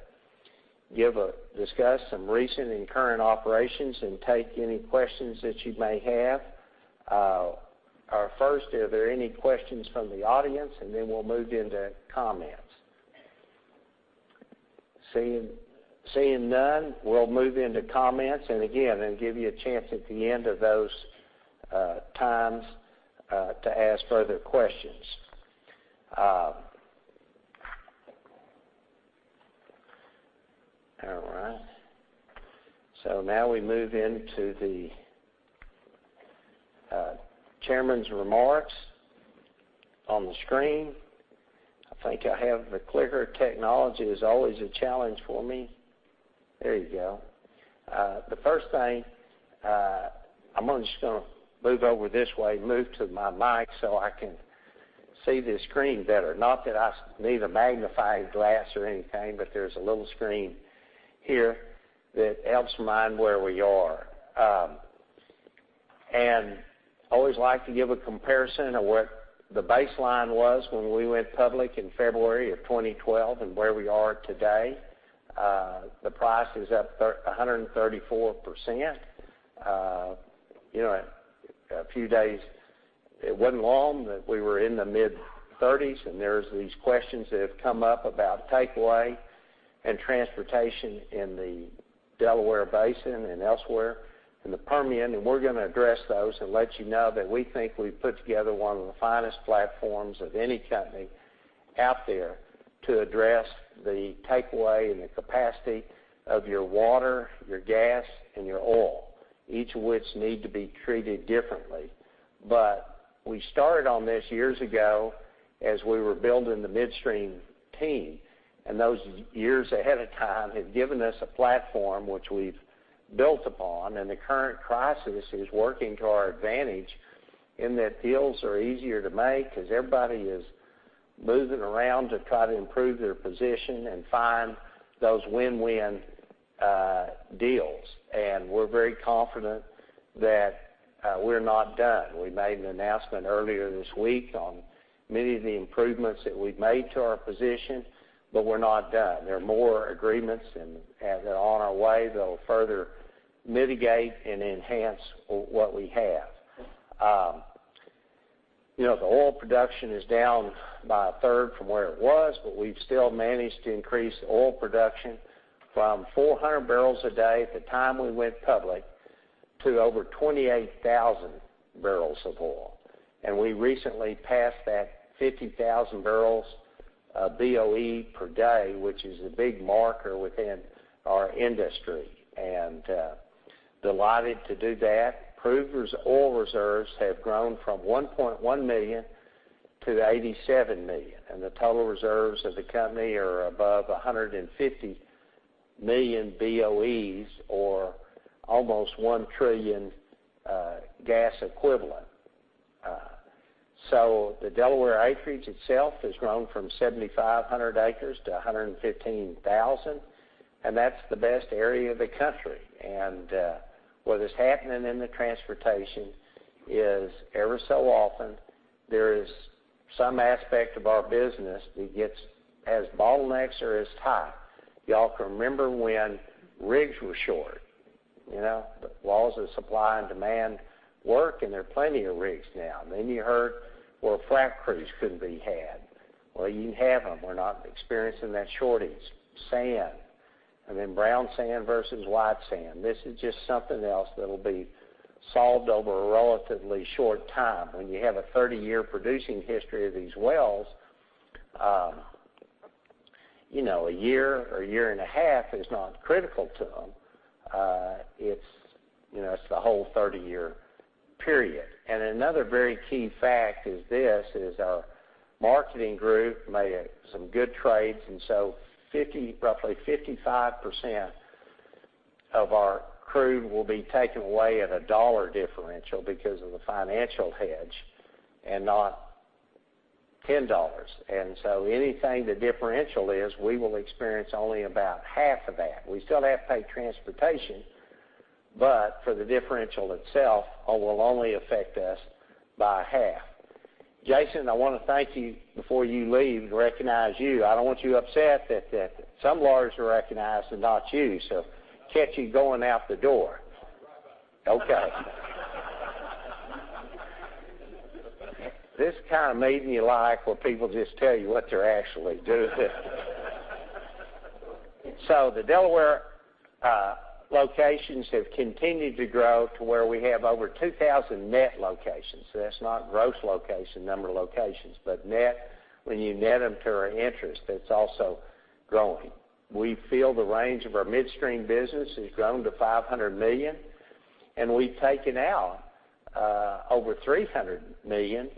discuss some recent and current operations and take any questions that you may have. First, are there any questions from the audience? Then we'll move into comments. Seeing none, we'll move into comments, again, then give you a chance at the end of those times to ask further questions. All right. Now we move into the Chairman's remarks on the screen. I think I have the clicker. Technology is always a challenge for me. There you go. The first thing, I'm just going to move over this way, move to my mic so I can see the screen better. Not that I need a magnifying glass or anything, but there's a little screen here that helps mind where we are. Always like to give a comparison of what the baseline was when we went public in February of 2012 and where we are today. The price is up 134%. A few days, it wasn't long that we were in the mid-$30s, and there's these questions that have come up about takeaway and transportation in the Delaware Basin and elsewhere in the Permian. We're going to address those and let you know that we think we've put together one of the finest platforms of any company out there to address the takeaway and the capacity of your water, your gas, and your oil, each of which need to be treated differently. We started on this years ago as we were building the midstream team, and those years ahead of time have given us a platform which we've built upon. The current crisis is working to our advantage in that deals are easier to make because everybody is moving around to try to improve their position and find those win-win deals. We're very confident that we're not done. We made an announcement earlier this week on many of the improvements that we've made to our position, we're not done. There are more agreements, as they're on our way, they'll further mitigate and enhance what we have. The oil production is down by a third from where it was, we've still managed to increase oil production from 400 barrels a day at the time we went public to over 28,000 barrels of oil. We recently passed that 50,000 barrels of BOE per day, which is a big marker within our industry, and delighted to do that. Proved oil reserves have grown from 1.1 million to 87 million, and the total reserves of the company are above 150 million BOEs or almost 1 trillion gas equivalent. The Delaware acreage itself has grown from 7,500 acres to 115,000, and that's the best area of the country. What is happening in the transportation is every so often there is some aspect of our business that has bottlenecks or is tight. You all can remember when rigs were short. The laws of supply and demand work, there are plenty of rigs now. Then you heard, well, frac crews couldn't be had. Well, you can have them. We're not experiencing that shortage. Sand, then brown sand versus white sand. This is just something else that'll be solved over a relatively short time. When you have a 30-year producing history of these wells, a year or year and a half is not critical to them. It's the whole 30-year period. Another very key fact is this, is our marketing group made some good trades, roughly 55% of our crew will be taken away at a $1 differential because of the financial hedge and not $10. Anything the differential is, we will experience only about half of that. We still have to pay transportation, for the differential itself, it will only affect us by half. Jason, I want to thank you before you leave and recognize you. I don't want you upset that some lawyers are recognized and not you, so catch you going out the door. No, I'll drive out. Okay. This kind of meeting you like where people just tell you what they're actually doing. The Delaware locations have continued to grow to where we have over 2,000 net locations. That's not gross location, number of locations, but net, when you net them to our interest, that's also growing. We feel the range of our midstream business has grown to $500 million, and we've taken out over $300 million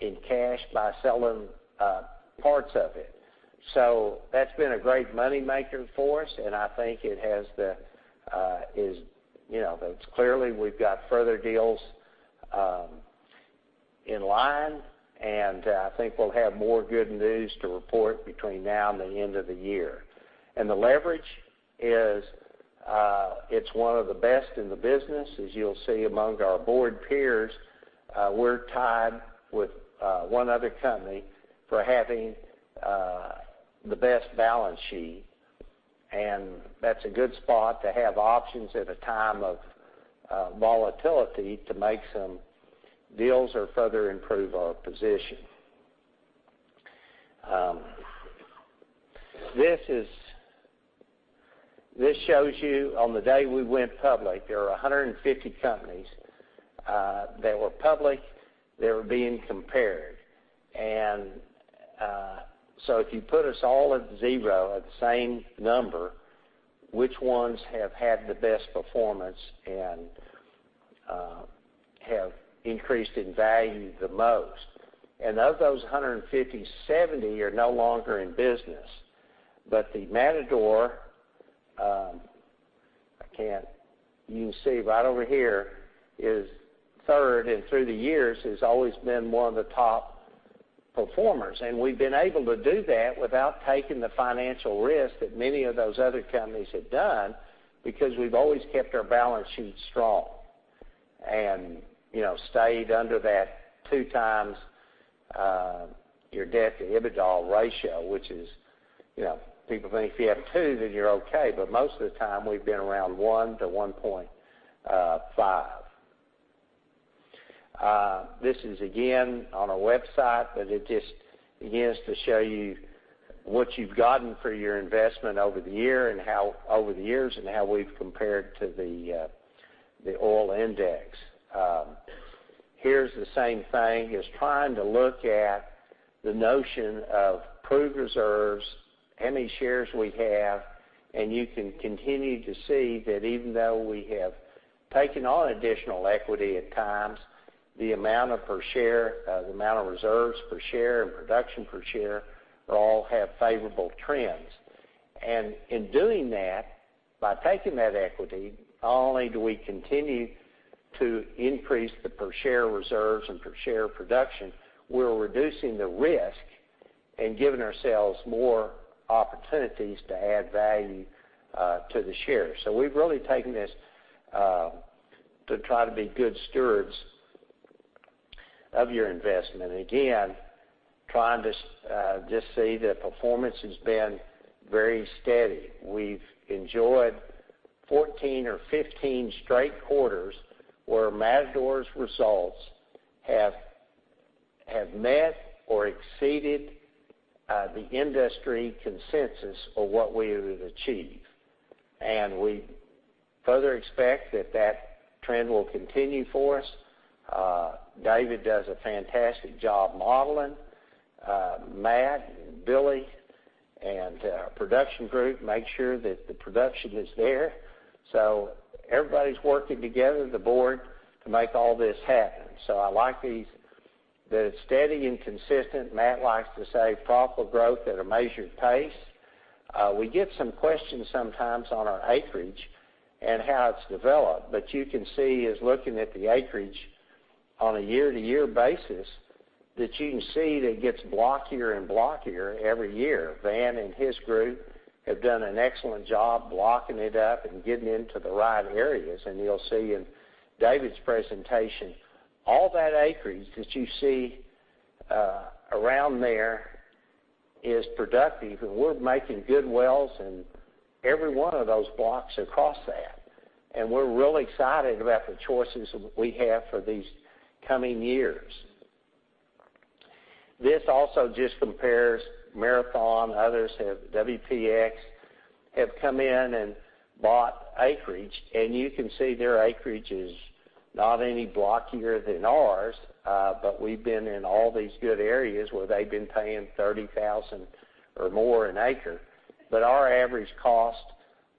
in cash by selling parts of it. That's been a great money maker for us, and I think it's clearly we've got further deals in line, and I think we'll have more good news to report between now and the end of the year. The leverage is one of the best in the business. As you'll see among our board peers, we're tied with one other company for having the best balance sheet, that's a good spot to have options at a time of volatility to make some deals or further improve our position. This shows you on the day we went public, there were 150 companies that were public that were being compared. If you put us all at zero at the same number, which ones have had the best performance and have increased in value the most. Of those 150, 70 are no longer in business. The Matador, you can see right over here is third, and through the years has always been one of the top performers. We've been able to do that without taking the financial risk that many of those other companies have done because we've always kept our balance sheet strong and stayed under that 2 times your debt to EBITDA ratio, which is, people think if you have 2, then you're okay, but most of the time we've been around 1 to 1.5. This is again on our website, it just begins to show you what you've gotten for your investment over the years and how we've compared to the oil index. Here's the same thing, is trying to look at the notion of proved reserves, how many shares we have, you can continue to see that even though we have taken on additional equity at times, the amount of reserves per share and production per share all have favorable trends. In doing that, by taking that equity, not only do we continue to increase the per-share reserves and per-share production, we're reducing the risk and giving ourselves more opportunities to add value to the shares. We've really taken this to try to be good stewards of your investment. Again, trying to just see that performance has been very steady. We've enjoyed 14 or 15 straight quarters where Matador's results have met or exceeded the industry consensus of what we would achieve. We further expect that that trend will continue for us. David does a fantastic job modeling. Matt, Billy, and production group make sure that the production is there. Everybody's working together, the board, to make all this happen. I like that it's steady and consistent. Matt likes to say profitable growth at a measured pace. We get some questions sometimes on our acreage and how it's developed, you can see is looking at the acreage on a year-to-year basis, that you can see that it gets blockier and blockier every year. Van and his group have done an excellent job blocking it up and getting into the right areas, and you'll see in David's presentation, all that acreage that you see around there is productive, and we're making good wells in every one of those blocks across that. We're really excited about the choices we have for these coming years. This also just compares Marathon, others have, WPX, have come in and bought acreage, you can see their acreage is not any blockier than ours, but we've been in all these good areas where they've been paying $30,000 or more an acre. Our average costs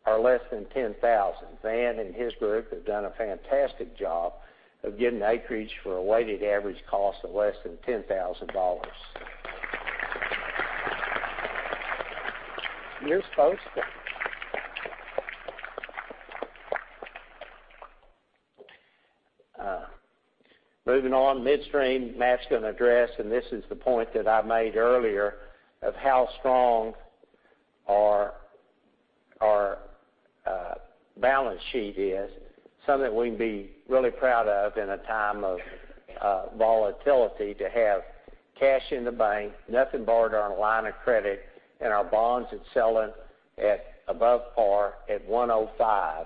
are less than $10,000. Van and his group have done a fantastic job of getting acreage for a weighted average cost of less than $10,000. You're supposed to. Moving on, midstream, Matt's going to address, this is the point that I made earlier of how strong our balance sheet is. Something we can be really proud of in a time of volatility to have cash in the bank, nothing borrowed on a line of credit, our bonds are selling at above par at 105.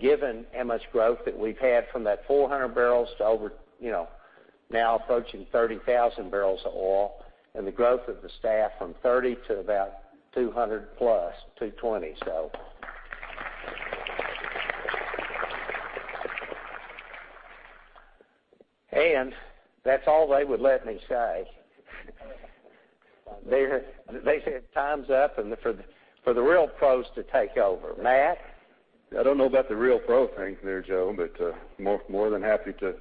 Given how much growth that we've had from that 400 barrels to over now approaching 30,000 barrels of oil and the growth of the staff from 30 to about 200 plus, 220, so. That's all they would let me say. They said time's up and for the real pros to take over. Matt? I don't know about the real pro thing there, Joe, more than happy to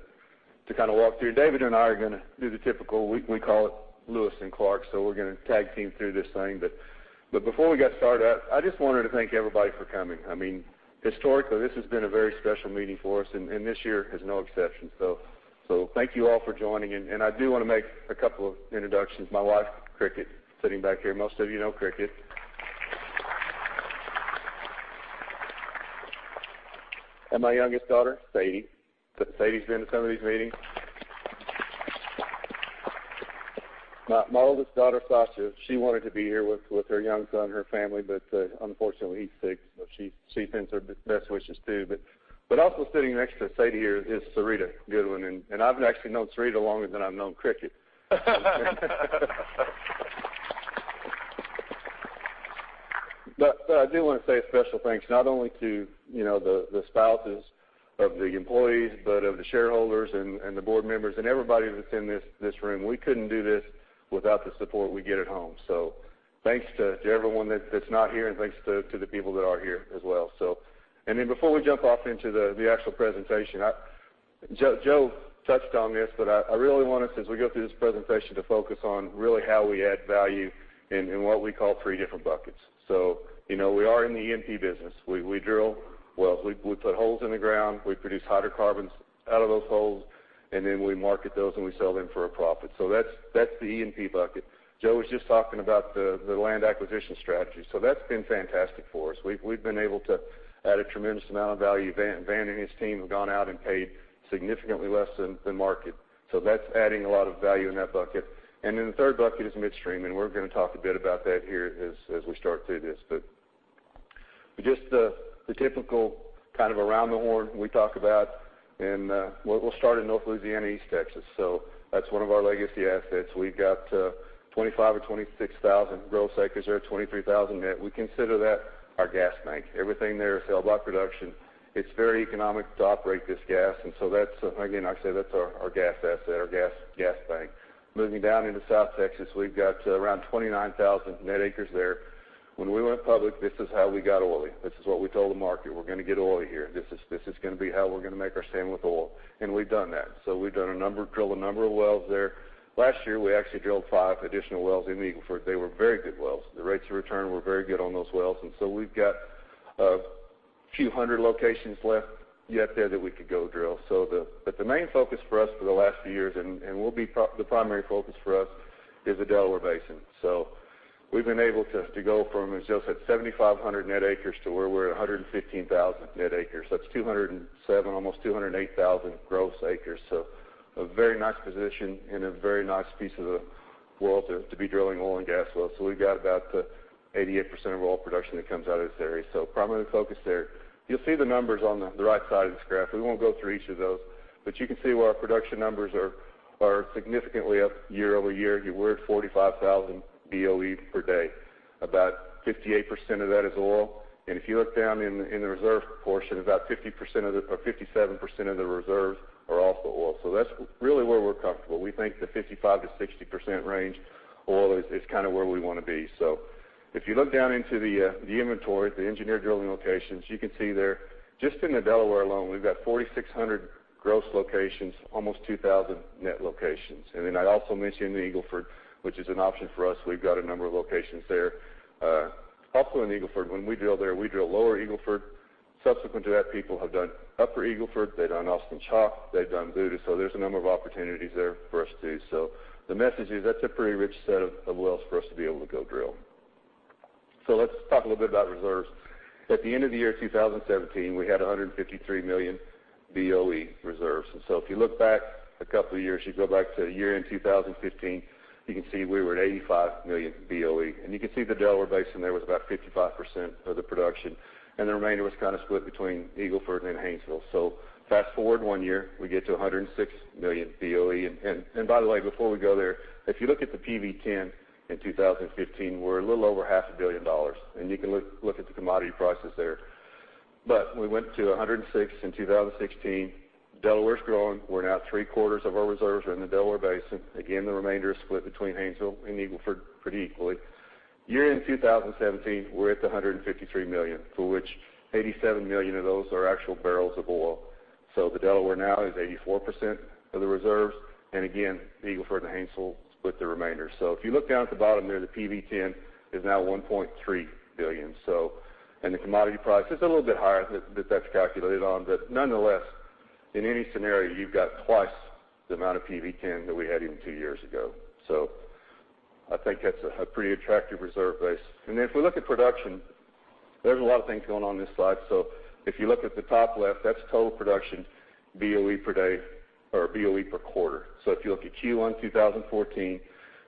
walk through. David and I are going to do the typical, we call it Lewis and Clark, we're going to tag team through this thing. Before we get started, I just wanted to thank everybody for coming. Historically, this has been a very special meeting for us, this year is no exception. Thank you all for joining, I do want to make a couple of introductions. My wife, Cricket, sitting back here. Most of you know Cricket. My youngest daughter, Sadie. Sadie's been to some of these meetings. My oldest daughter, Sasha, she wanted to be here with her young son, her family, unfortunately, he's sick, she sends her best wishes, too. Also sitting next to Sadie here is Serita Goodwin, and I've actually known Serita longer than I've known Cricket. I do want to say a special thanks not only to the spouses of the employees, but of the shareholders and the board members and everybody that's in this room. We couldn't do this without the support we get at home. Thanks to everyone that's not here, and thanks to the people that are here as well. Before we jump off into the actual presentation, Joe touched on this, but I really want us, as we go through this presentation, to focus on really how we add value in what we call three different buckets. We are in the E&P business. We drill wells, we put holes in the ground, we produce hydrocarbons out of those holes, and then we market those, and we sell them for a profit. That's the E&P bucket. Joe was just talking about the land acquisition strategy. That's been fantastic for us. We've been able to add a tremendous amount of value. Van and his team have gone out and paid significantly less than the market. That's adding a lot of value in that bucket. The third bucket is midstream, and we're going to talk a bit about that here as we start through this. Just the typical around the horn we talk about. We'll start in North Louisiana, East Texas. That's one of our legacy assets. We've got 25,000 or 26,000 gross acres there, 23,000 net. We consider that our gas bank. Everything there is held by production. It's very economic to operate this gas. That's, again, I say that's our gas asset, our gas bank. Moving down into South Texas, we've got around 29,000 net acres there. When we went public, this is how we got oil. This is what we told the market. "We're going to get oil here. This is going to be how we're going to make our stand with oil." We've done that. We've drilled a number of wells there. Last year, we actually drilled five additional wells in the Eagle Ford. They were very good wells. The rates of return were very good on those wells. We've got a few hundred locations left yet there that we could go drill. The main focus for us for the last few years, and will be the primary focus for us, is the Delaware Basin. We've been able to go from, as Joe said, 7,500 net acres to where we're at, 115,000 net acres. That's 207,000, almost 208,000 gross acres. A very nice position and a very nice piece of the world to be drilling oil and gas wells. We've got about 88% of oil production that comes out of this area. Primarily focused there. You'll see the numbers on the right side of this graph. We won't go through each of those, but you can see where our production numbers are significantly up year-over-year. We're at 45,000 BOE per day. About 58% of that is oil, if you look down in the reserve portion, about 57% of the reserves are also oil. That's really where we're comfortable. We think the 55%-60% range oil is kind of where we want to be. If you look down into the inventory, the engineered drilling locations, you can see there, just in the Delaware alone, we've got 4,600 gross locations, almost 2,000 net locations. I'd also mention the Eagle Ford, which is an option for us. We've got a number of locations there. Also in the Eagle Ford, when we drill there, we drill lower Eagle Ford. Subsequent to that, people have done upper Eagle Ford, they've done Austin Chalk, they've done Voodoo. There's a number of opportunities there for us too. The message is that's a pretty rich set of wells for us to be able to go drill. Let's talk a little bit about reserves. At the end of the year 2017, we had 153 million BOE reserves. If you look back a couple of years, you go back to the year end 2015, you can see we were at 85 million BOE. You can see the Delaware Basin there was about 55% of the production, the remainder was kind of split between Eagle Ford and Haynesville. Fast-forward one year, we get to 106 million BOE. By the way, before we go there, if you look at the PV-10 in 2015, we're a little over half a billion dollars, you can look at the commodity prices there. We went to 106 in 2016. Delaware's growing. We're now three-quarters of our reserves are in the Delaware Basin. Again, the remainder is split between Haynesville and Eagle Ford pretty equally. Year end 2017, we're at 153 million, for which 87 million of those are actual barrels of oil. The Delaware now is 84% of the reserves, again, Eagle Ford and Haynesville split the remainder. If you look down at the bottom there, the PV-10 is now $1.3 billion, the commodity price is a little bit higher that that's calculated on. Nonetheless, in any scenario, you've got twice the amount of PV-10 that we had even two years ago. I think that's a pretty attractive reserve base. If we look at production, there's a lot of things going on this slide. If you look at the top left, that's total production BOE per day or BOE per quarter. If you look at Q1 2014,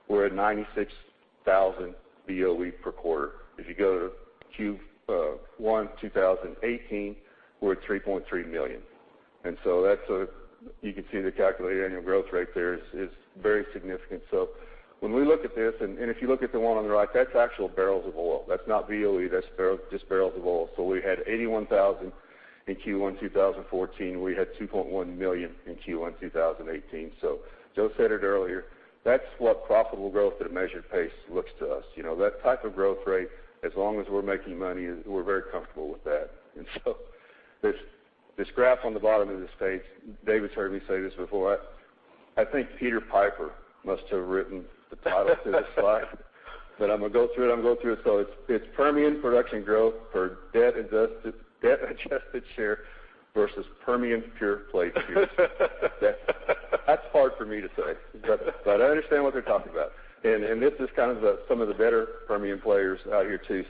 we're at 96,000 BOE per quarter. If you go to Q1 2018, we're at 3.3 million. That's a, you can see the calculated annual growth rate there is very significant. When we look at this, if you look at the one on the right, that's actual barrels of oil. That's not BOE, that's just barrels of oil. We had 81,000 in Q1 2014. We had 2.1 million in Q1 2018. Joe said it earlier, that's what profitable growth at a measured pace looks to us. That type of growth rate, as long as we're making money, we're very comfortable with that. This graph on the bottom of this page, David's heard me say this before. I think Peter Piper must have written the title to this slide. I'm going to go through it. It's Permian production growth per debt-adjusted share versus Permian pure-play peers. That's hard for me to say, but I understand what they're talking about. This is kind of some of the better Permian players out here too.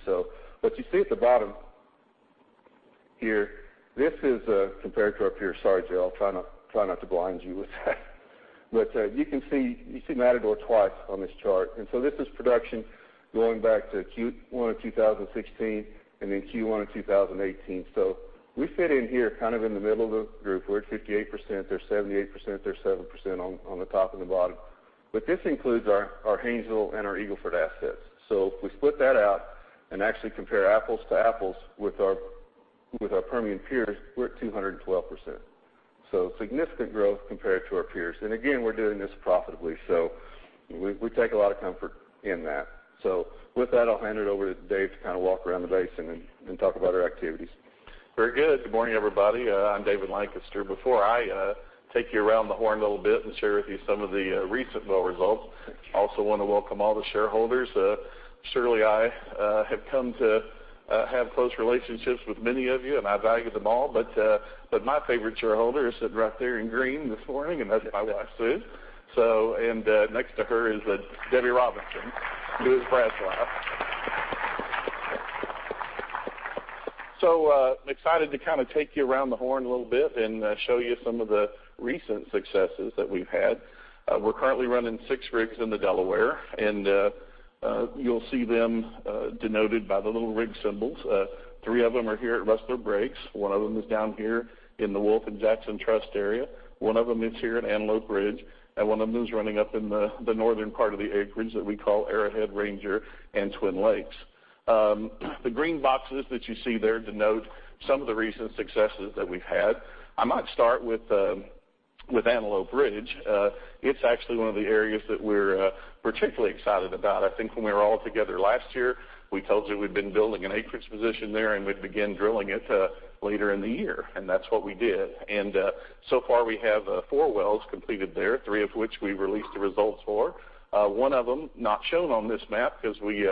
What you see at the bottom here, this is compared to up here. Sorry, Joe, I'll try not to blind you with that. You can see Matador twice on this chart. This is production going back to Q1 of 2016 and then Q1 of 2018. We fit in here kind of in the middle of the group. We're at 58%, they're 78%, they're 7% on the top and the bottom. This includes our Haynesville and our Eagle Ford assets. If we split that out and actually compare apples to apples with our Permian peers, we're at 212%. Significant growth compared to our peers. Again, we're doing this profitably, so we take a lot of comfort in that. With that, I'll hand it over to Dave to walk around the basin and then talk about our activities. Very good. Good morning, everybody. I'm David Lancaster. Before I take you around the horn a little bit and share with you some of the recent well results, I also want to welcome all the shareholders. Shirley, I have come to have close relationships with many of you, and I value them all. My favorite shareholder is sitting right there in green this morning, and that's my wife, Sue. Next to her is Debbie Robinson, Sue's best friend. Excited to take you around the horn a little bit and show you some of the recent successes that we've had. We're currently running six rigs in the Delaware, and you'll see them denoted by the little rig symbols. Three of them are here at Rustler Breaks. One of them is down here in the Wolf and Jackson Trust area. One of them is here at Antelope Ridge, and one of them is running up in the northern part of the acreage that we call Arrowhead Ranger and Twin Lakes. The green boxes that you see there denote some of the recent successes that we've had. I might start with Antelope Ridge. It's actually one of the areas that we're particularly excited about. I think when we were all together last year, we told you we'd been building an acreage position there and we'd begin drilling it later in the year, and that's what we did. So far, we have four wells completed there, three of which we released the results for. One of them, not shown on this map because we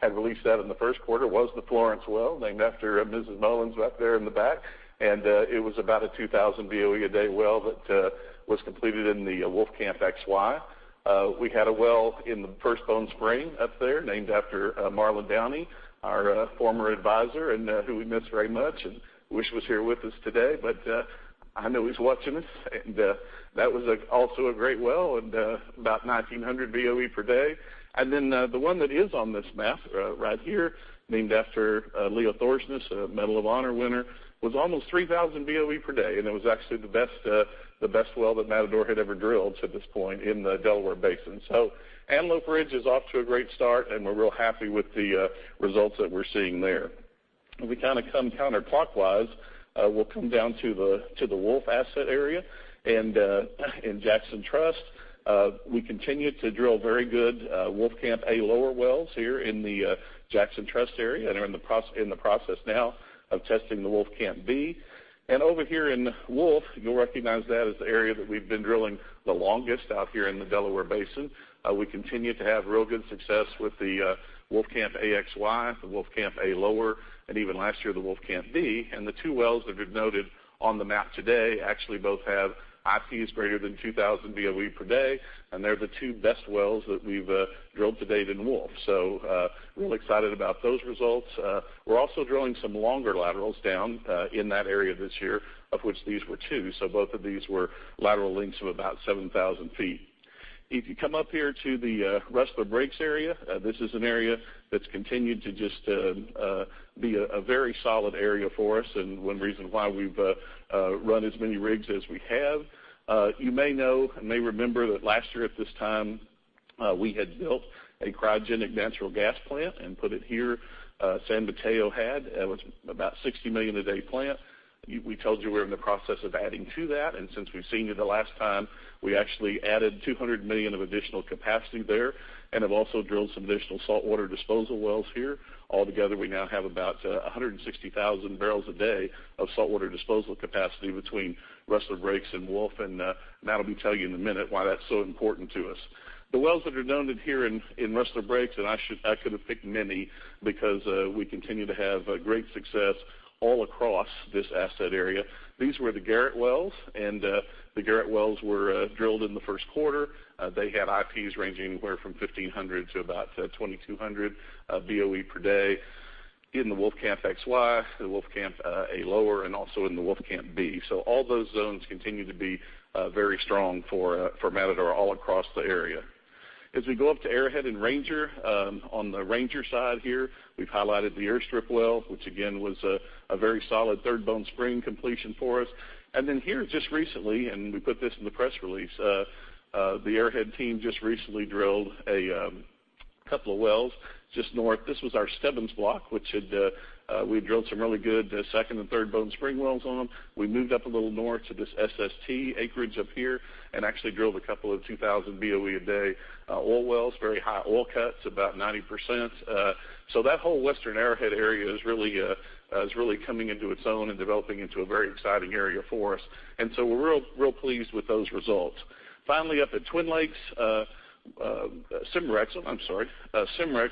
had released that in the first quarter, was the Florence Well, named after Mrs. Mullins right there in the back. It was about a 2,000 BOE a day well that was completed in the Wolfcamp XY. We had a well in the First Bone Spring up there named after Marlan Downey, our former advisor, and who we miss very much and wish was here with us today. I know he's watching us, and that was also a great well, and about 1,900 BOE per day. The one that is on this map right here, named after Leo Thorsness, a Medal of Honor winner, was almost 3,000 BOE per day, and it was actually the best well that Matador had ever drilled to this point in the Delaware Basin. Antelope Ridge is off to a great start, and we're real happy with the results that we're seeing there. If we come counterclockwise, we'll come down to the Wolf asset area and Jackson Trust. We continue to drill very good Wolfcamp A lower wells here in the Jackson Trust area and are in the process now of testing the Wolfcamp B. Over here in Wolf, you'll recognize that as the area that we've been drilling the longest out here in the Delaware Basin. We continue to have real good success with the Wolfcamp XY, the Wolfcamp A lower, and even last year, the Wolfcamp B. The two wells that we've noted on the map today actually both have IPs greater than 2,000 BOE per day, and they're the two best wells that we've drilled to date in Wolf. Real excited about those results. We're also drilling some longer laterals down in that area this year, of which these were two. Both of these were lateral lengths of about 7,000 feet. If you come up here to the Rustler Breaks area, this is an area that's continued to just be a very solid area for us and one reason why we've run as many rigs as we have. You may know and may remember that last year at this time, we had built a cryogenic natural gas plant and put it here. San Mateo had about a 60 million a day plant. We told you we're in the process of adding to that, and since we've seen you the last time, we actually added 200 million of additional capacity there and have also drilled some additional saltwater disposal wells here. Altogether, we now have about 160,000 barrels a day of saltwater disposal capacity between Rustler Breaks and Wolf, and Matt will be telling you in a minute why that's so important to us. The wells that are noted here in Rustler Breaks, and I could have picked many because we continue to have great success all across this asset area. These were the Garrett wells, and the Garrett wells were drilled in the first quarter. They had IPs ranging anywhere from 1,500 to about 2,200 BOE per day in the Wolfcamp XY, the Wolfcamp A lower, and also in the Wolfcamp B. All those zones continue to be very strong for Matador all across the area. As we go up to Arrowhead and Ranger, on the Ranger side here, we've highlighted the Airstrip well, which again, was a very solid Third Bone Spring completion for us. Here just recently, and we put this in the press release, the Arrowhead team just recently drilled a couple of wells just north. This was our Stebbins block, which we had drilled some really good Second Bone Spring and Third Bone Spring wells on. We moved up a little north to this SST acreage up here and actually drilled a couple of 2,000 BOE a day oil wells, very high oil cuts, about 90%. That whole Western Arrowhead area is really coming into its own and developing into a very exciting area for us. We're real pleased with those results. Finally, up at Twin Lakes, Cimarex,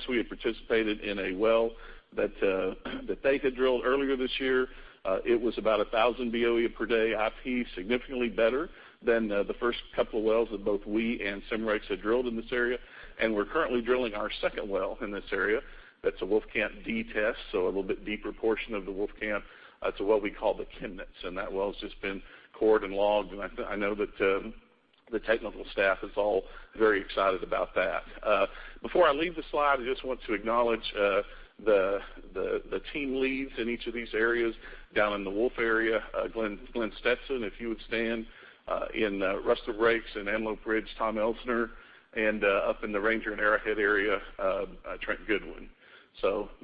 we had participated in a well that they had drilled earlier this year. It was about 1,000 BOE per day IP, significantly better than the first couple of wells that both we and Cimarex had drilled in this area. We're currently drilling our second well in this area. That's a Wolfcamp D test, so a little bit deeper portion of the Wolfcamp to what we call the Kenneths. That well's just been cored and logged. I know that The technical staff is all very excited about that. Before I leave the slide, I just want to acknowledge the team leads in each of these areas. Down in the Wolf area, Glenn Stetson, if you would stand. In Rustler Breaks and Antelope Ridge, Tom Elsener. Up in the Ranger and Arrowhead area, Trey Goodwin.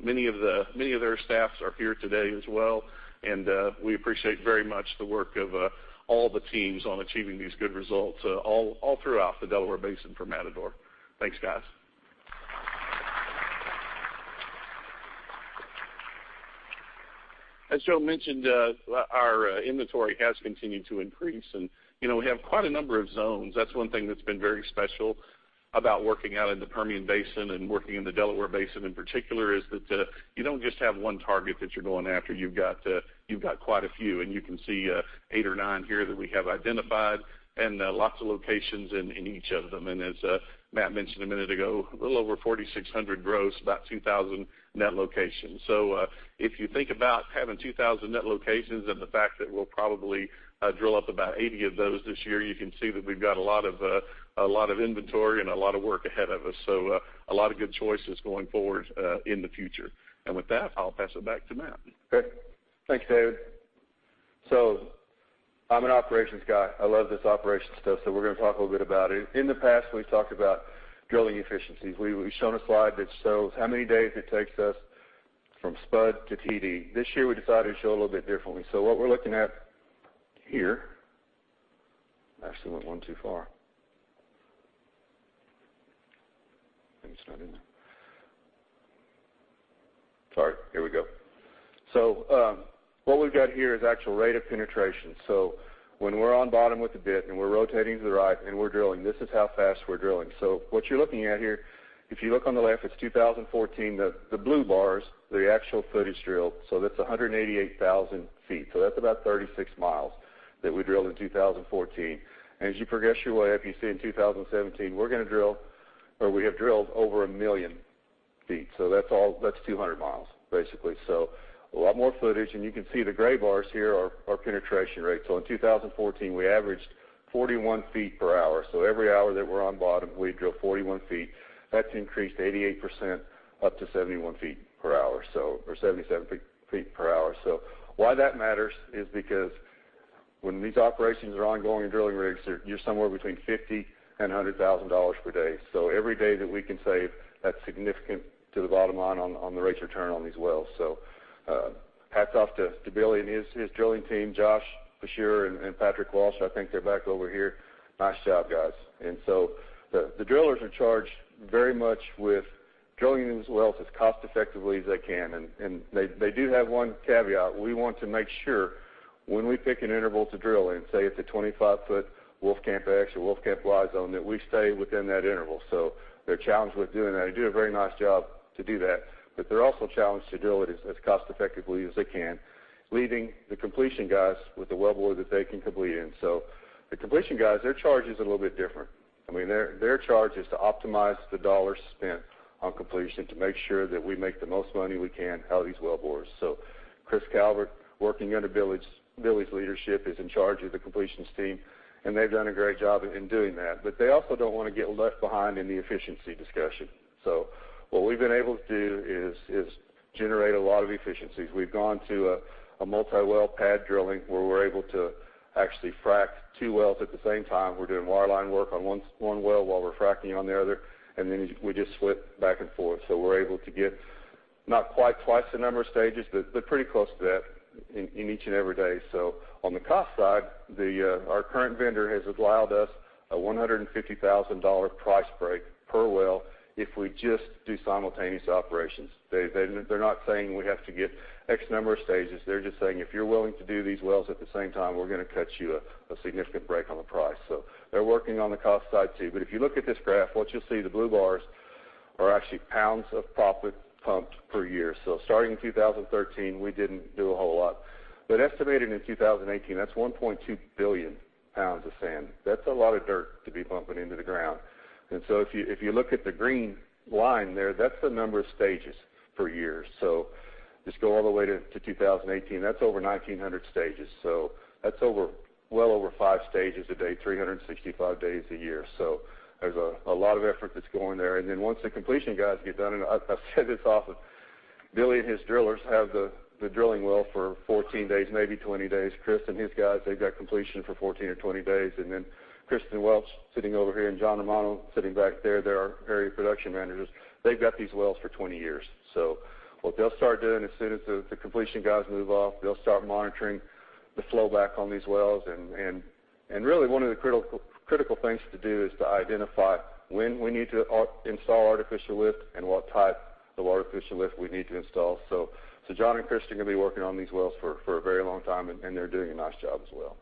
Many of their staffs are here today as well, and we appreciate very much the work of all the teams on achieving these good results all throughout the Delaware Basin for Matador. Thanks, guys. As Joe mentioned, our inventory has continued to increase and we have quite a number of zones. That's one thing that's been very special about working out in the Permian Basin and working in the Delaware Basin in particular, is that you don't just have one target that you're going after. You've got quite a few, and you can see eight or nine here that we have identified, and lots of locations in each of them. As Matt mentioned a minute ago, a little over 4,600 gross, about 2,000 net locations. If you think about having 2,000 net locations, and the fact that we'll probably drill up about 80 of those this year, you can see that we've got a lot of inventory and a lot of work ahead of us. A lot of good choices going forward in the future. With that, I'll pass it back to Matt. Great. Thanks, David. I'm an operations guy. I love this operations stuff, we're going to talk a little bit about it. In the past, we've talked about drilling efficiencies. We've shown a slide that shows how many days it takes us from spud to TD. This year, we decided to show it a little bit differently. What we're looking at here. I actually went one too far. I think it's not in there. Sorry. Here we go. What we've got here is actual rate of penetration. When we're on bottom with the bit and we're rotating to the right and we're drilling, this is how fast we're drilling. What you're looking at here, if you look on the left, it's 2014. The blue bars are the actual footage drilled, that's 188,000 feet. That's about 36 miles that we drilled in 2014. As you progress your way up, you see in 2017, we're going to drill, or we have drilled over 1 million feet. That's 200 miles basically. A lot more footage, you can see the gray bars here are penetration rates. In 2014, we averaged 41 feet per hour. Every hour that we're on bottom, we drill 41 feet. That's increased to 88%, up to 71 feet per hour or 77 feet per hour. Why that matters is because when these operations are ongoing and drilling rigs, you're somewhere between $50,000 and $100,000 per day. Every day that we can save, that's significant to the bottom line on the rates of return on these wells. Hats off to Billy and his drilling team, Josh Beshear and Patrick Walsh. I think they're back over here. Nice job, guys. The drillers are charged very much with drilling these wells as cost effectively as they can. They do have one caveat. We want to make sure when we pick an interval to drill in, say it's a 25-foot Wolfcamp X or Wolfcamp Y zone, that we stay within that interval. They're challenged with doing that. They do a very nice job to do that, but they're also challenged to do it as cost effectively as they can, leaving the completion guys with the wellbore that they can complete in. The completion guys, their charge is a little bit different. Their charge is to optimize the dollars spent on completion to make sure that we make the most money we can out of these wellbores. Chris Calvert, working under Billy's leadership, is in charge of the completions team, they've done a great job in doing that. They also don't want to get left behind in the efficiency discussion. What we've been able to do is generate a lot of efficiencies. We've gone to a multi-well pad drilling where we're able to actually frack two wells at the same time. We're doing wireline work on one well while we're fracking on the other, then we just flip back and forth. We're able to get not quite twice the number of stages, but pretty close to that in each and every day. On the cost side, our current vendor has allowed us a $150,000 price break per well if we just do simultaneous operations. They're not saying we have to get X number of stages. They're just saying, "If you're willing to do these wells at the same time, we're going to cut you a significant break on the price." They're working on the cost side too. If you look at this graph, what you'll see, the blue bars are actually pounds of proppant pumped per year. Starting in 2013, we didn't do a whole lot. Estimated in 2018, that's 1.2 billion pounds of sand. That's a lot of dirt to be pumping into the ground. If you look at the green line there, that's the number of stages for years. Just go all the way to 2018. That's over 1,900 stages. That's well over 5 stages a day, 365 days a year. There's a lot of effort that's going there. Once the completion guys get done, and I say this often, Billy and his drillers have the drilling well for 14 days, maybe 20 days. Chris and his guys, they've got completion for 14 or 20 days. Kristin Welch sitting over here and John Romano sitting back there, they're our area production managers. They've got these wells for 20 years. What they'll start doing as soon as the completion guys move off, they'll start monitoring the flow back on these wells. Really one of the critical things to do is to identify when we need to install artificial lift and what type of artificial lift we need to install. John and Chris are going to be working on these wells for a very long time, and they're doing a nice job as well.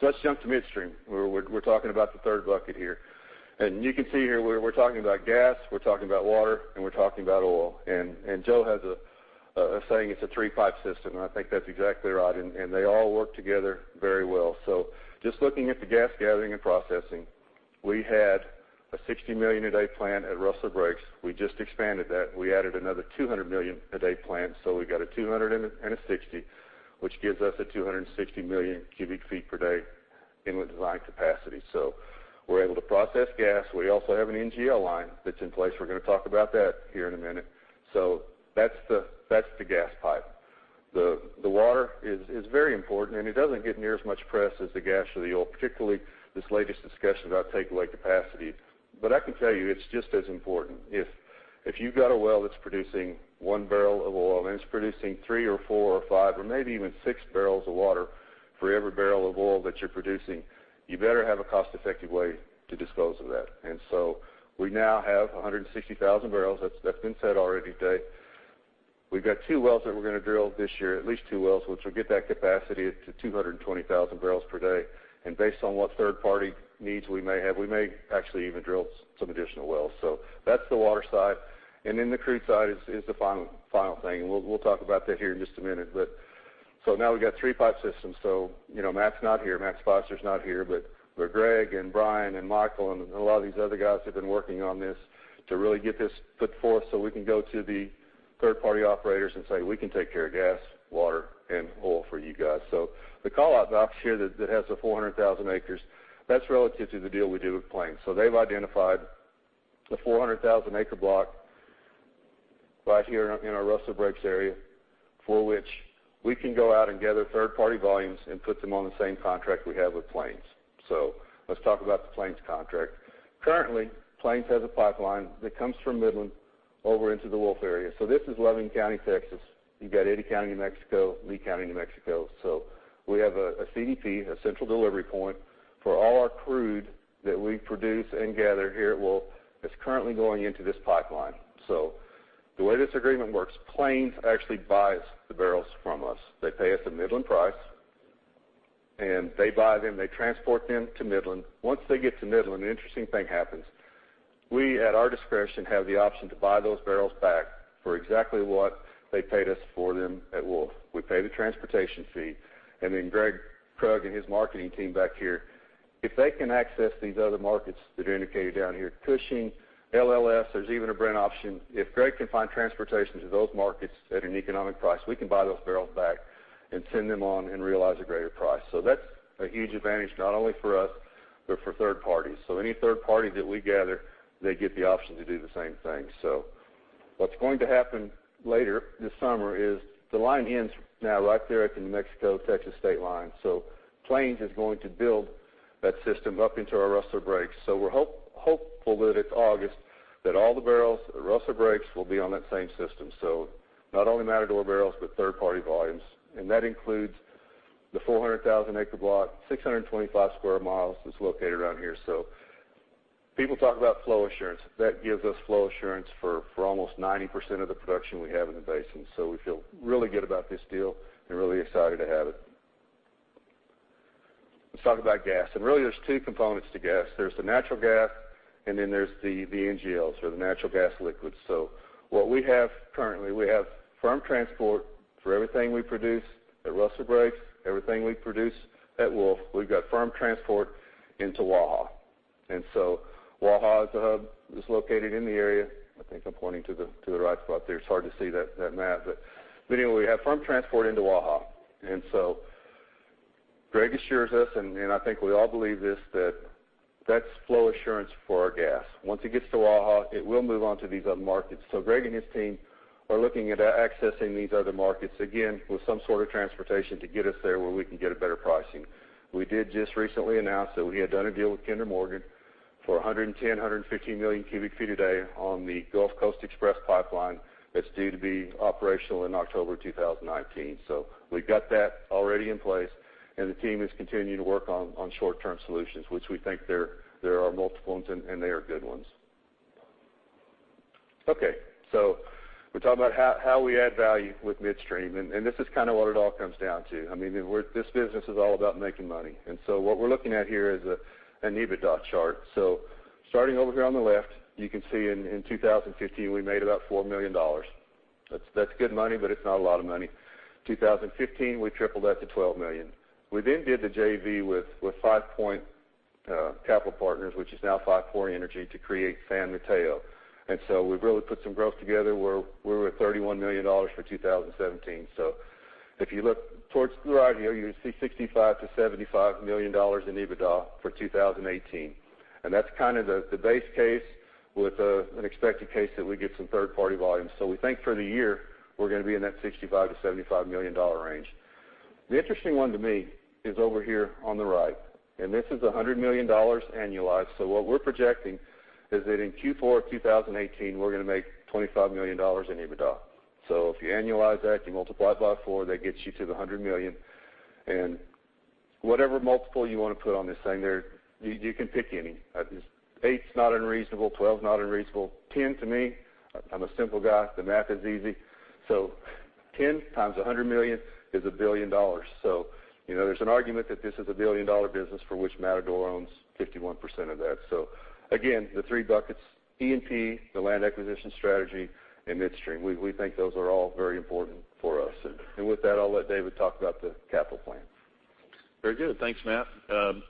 Let's jump to midstream. We're talking about the third bucket here. You can see here we're talking about gas, we're talking about water, and we're talking about oil. Joe has a saying, it's a three-pipe system, and I think that's exactly right. They all work together very well. Just looking at the gas gathering and processing. We had a 60 million cubic feet per day plant at Rustler Breaks. We just expanded that. We added another 200 million cubic feet per day plant, so we've got a 200 and a 60, which gives us a 260 million cubic feet per day inlet design capacity. We're able to process gas. We also have an NGL line that's in place. We're going to talk about that here in a minute. That's the gas pipe. The water is very important. It doesn't get near as much press as the gas or the oil, particularly this latest discussion about take away capacity. I can tell you, it's just as important. If you've got a well that's producing one barrel of oil, and it's producing three or four or five or maybe even six barrels of water for every barrel of oil that you're producing, you better have a cost-effective way to dispose of that. We now have 160,000 barrels, that's been said already today. We've got two wells that we're going to drill this year, at least two wells, which will get that capacity to 220,000 barrels per day. Based on what third party needs we may have, we may actually even drill some additional wells. That's the water side. The crude side is the final thing. We'll talk about that here in just a minute. Now we've got three pipe systems. Matt's not here, Matt Foster's not here, but Greg and Brian and Michael and a lot of these other guys have been working on this to really get this put forth so we can go to the third party operators and say, "We can take care of gas, water, and oil for you guys." The call out the option here that has the 400,000 acres, that's relative to the deal we do with Plains. They've identified the 400,000 acre block right here in our Rustler Breaks area for which we can go out and gather third party volumes and put them on the same contract we have with Plains. Let's talk about the Plains contract. Currently, Plains has a pipeline that comes from Midland over into the Wolf area. This is Loving County, Texas. You've got Eddy County, New Mexico, Lea County, New Mexico. We have a CDP, a central delivery point for all our crude that we produce and gather here at Wolf. It's currently going into this pipeline. The way this agreement works, Plains actually buys the barrels from us. They pay us the Midland price, and they buy them, they transport them to Midland. Once they get to Midland, an interesting thing happens. We, at our discretion, have the option to buy those barrels back for exactly what they paid us for them at Wolf. We pay the transportation fee, and then Greg Krug and his marketing team back here, if they can access these other markets that are indicated down here, Cushing, LLS, there's even a Brent option. If Greg can find transportation to those markets at an economic price, we can buy those barrels back and send them on and realize a greater price. That's a huge advantage, not only for us, but for third parties. Any third party that we gather, they get the option to do the same thing. What's going to happen later this summer is the line ends now right there at the New Mexico-Texas state line. Plains is going to build that system up into our Rustler Breaks. We're hopeful that it's August, that all the barrels at Rustler Breaks will be on that same system. Not only Matador barrels, but third party volumes. And that includes the 400,000 acre block, 625 square miles that's located around here. People talk about flow assurance. That gives us flow assurance for almost 90% of the production we have in the basin. We feel really good about this deal and really excited to have it. Let's talk about gas. Really there's two components to gas. There's the natural gas, and then there's the NGLs or the natural gas liquids. What we have currently, we have firm transport for everything we produce at Rustler Breaks, everything we produce at Wolf. We've got firm transport into Waha. Waha is a hub that's located in the area. I think I'm pointing to the right spot there. It's hard to see that map. Anyway, we have firm transport into Waha. Greg assures us, and I think we all believe this, that that's flow assurance for our gas. Once it gets to Waha, it will move on to these other markets. Greg and his team are looking at accessing these other markets, again, with some sort of transportation to get us there where we can get a better pricing. We did just recently announce that we had done a deal with Kinder Morgan for 110, 115 million cubic feet a day on the Gulf Coast Express pipeline that's due to be operational in October 2019. We've got that already in place and the team is continuing to work on short-term solutions, which we think there are multiple ones and they are good ones. Okay, we're talking about how we add value with midstream, and this is what it all comes down to. This business is all about making money. What we're looking at here is an EBITDA chart. Starting over here on the left, you can see in 2015, we made about $4 million. That's good money, but it's not a lot of money. 2015, we tripled that to $12 million. We did the JV with Five Point Capital Partners, which is now Five Point Energy, to create San Mateo. We've really put some growth together. We're at $31 million for 2017. If you look towards the right here, you see $65 million-$75 million in EBITDA for 2018. That's the base case with an expected case that we get some third party volumes. We think for the year, we're going to be in that $65 million-$75 million range. The interesting one to me is over here on the right. This is $100 million annualized. What we're projecting is that in Q4 of 2018, we're going to make $25 million in EBITDA. If you annualize that, you multiply it by four, that gets you to the $100 million. Whatever multiple you want to put on this thing there, you can pick any. 8's not unreasonable, 12's not unreasonable. 10 to me, I'm a simple guy, the math is easy. 10 times $100 million is $1 billion. There's an argument that this is a billion-dollar business for which Matador owns 51% of that. Again, the three buckets, E&P, the land acquisition strategy, and midstream. We think those are all very important for us. With that, I'll let David talk about the capital plan. Very good. Thanks, Matt.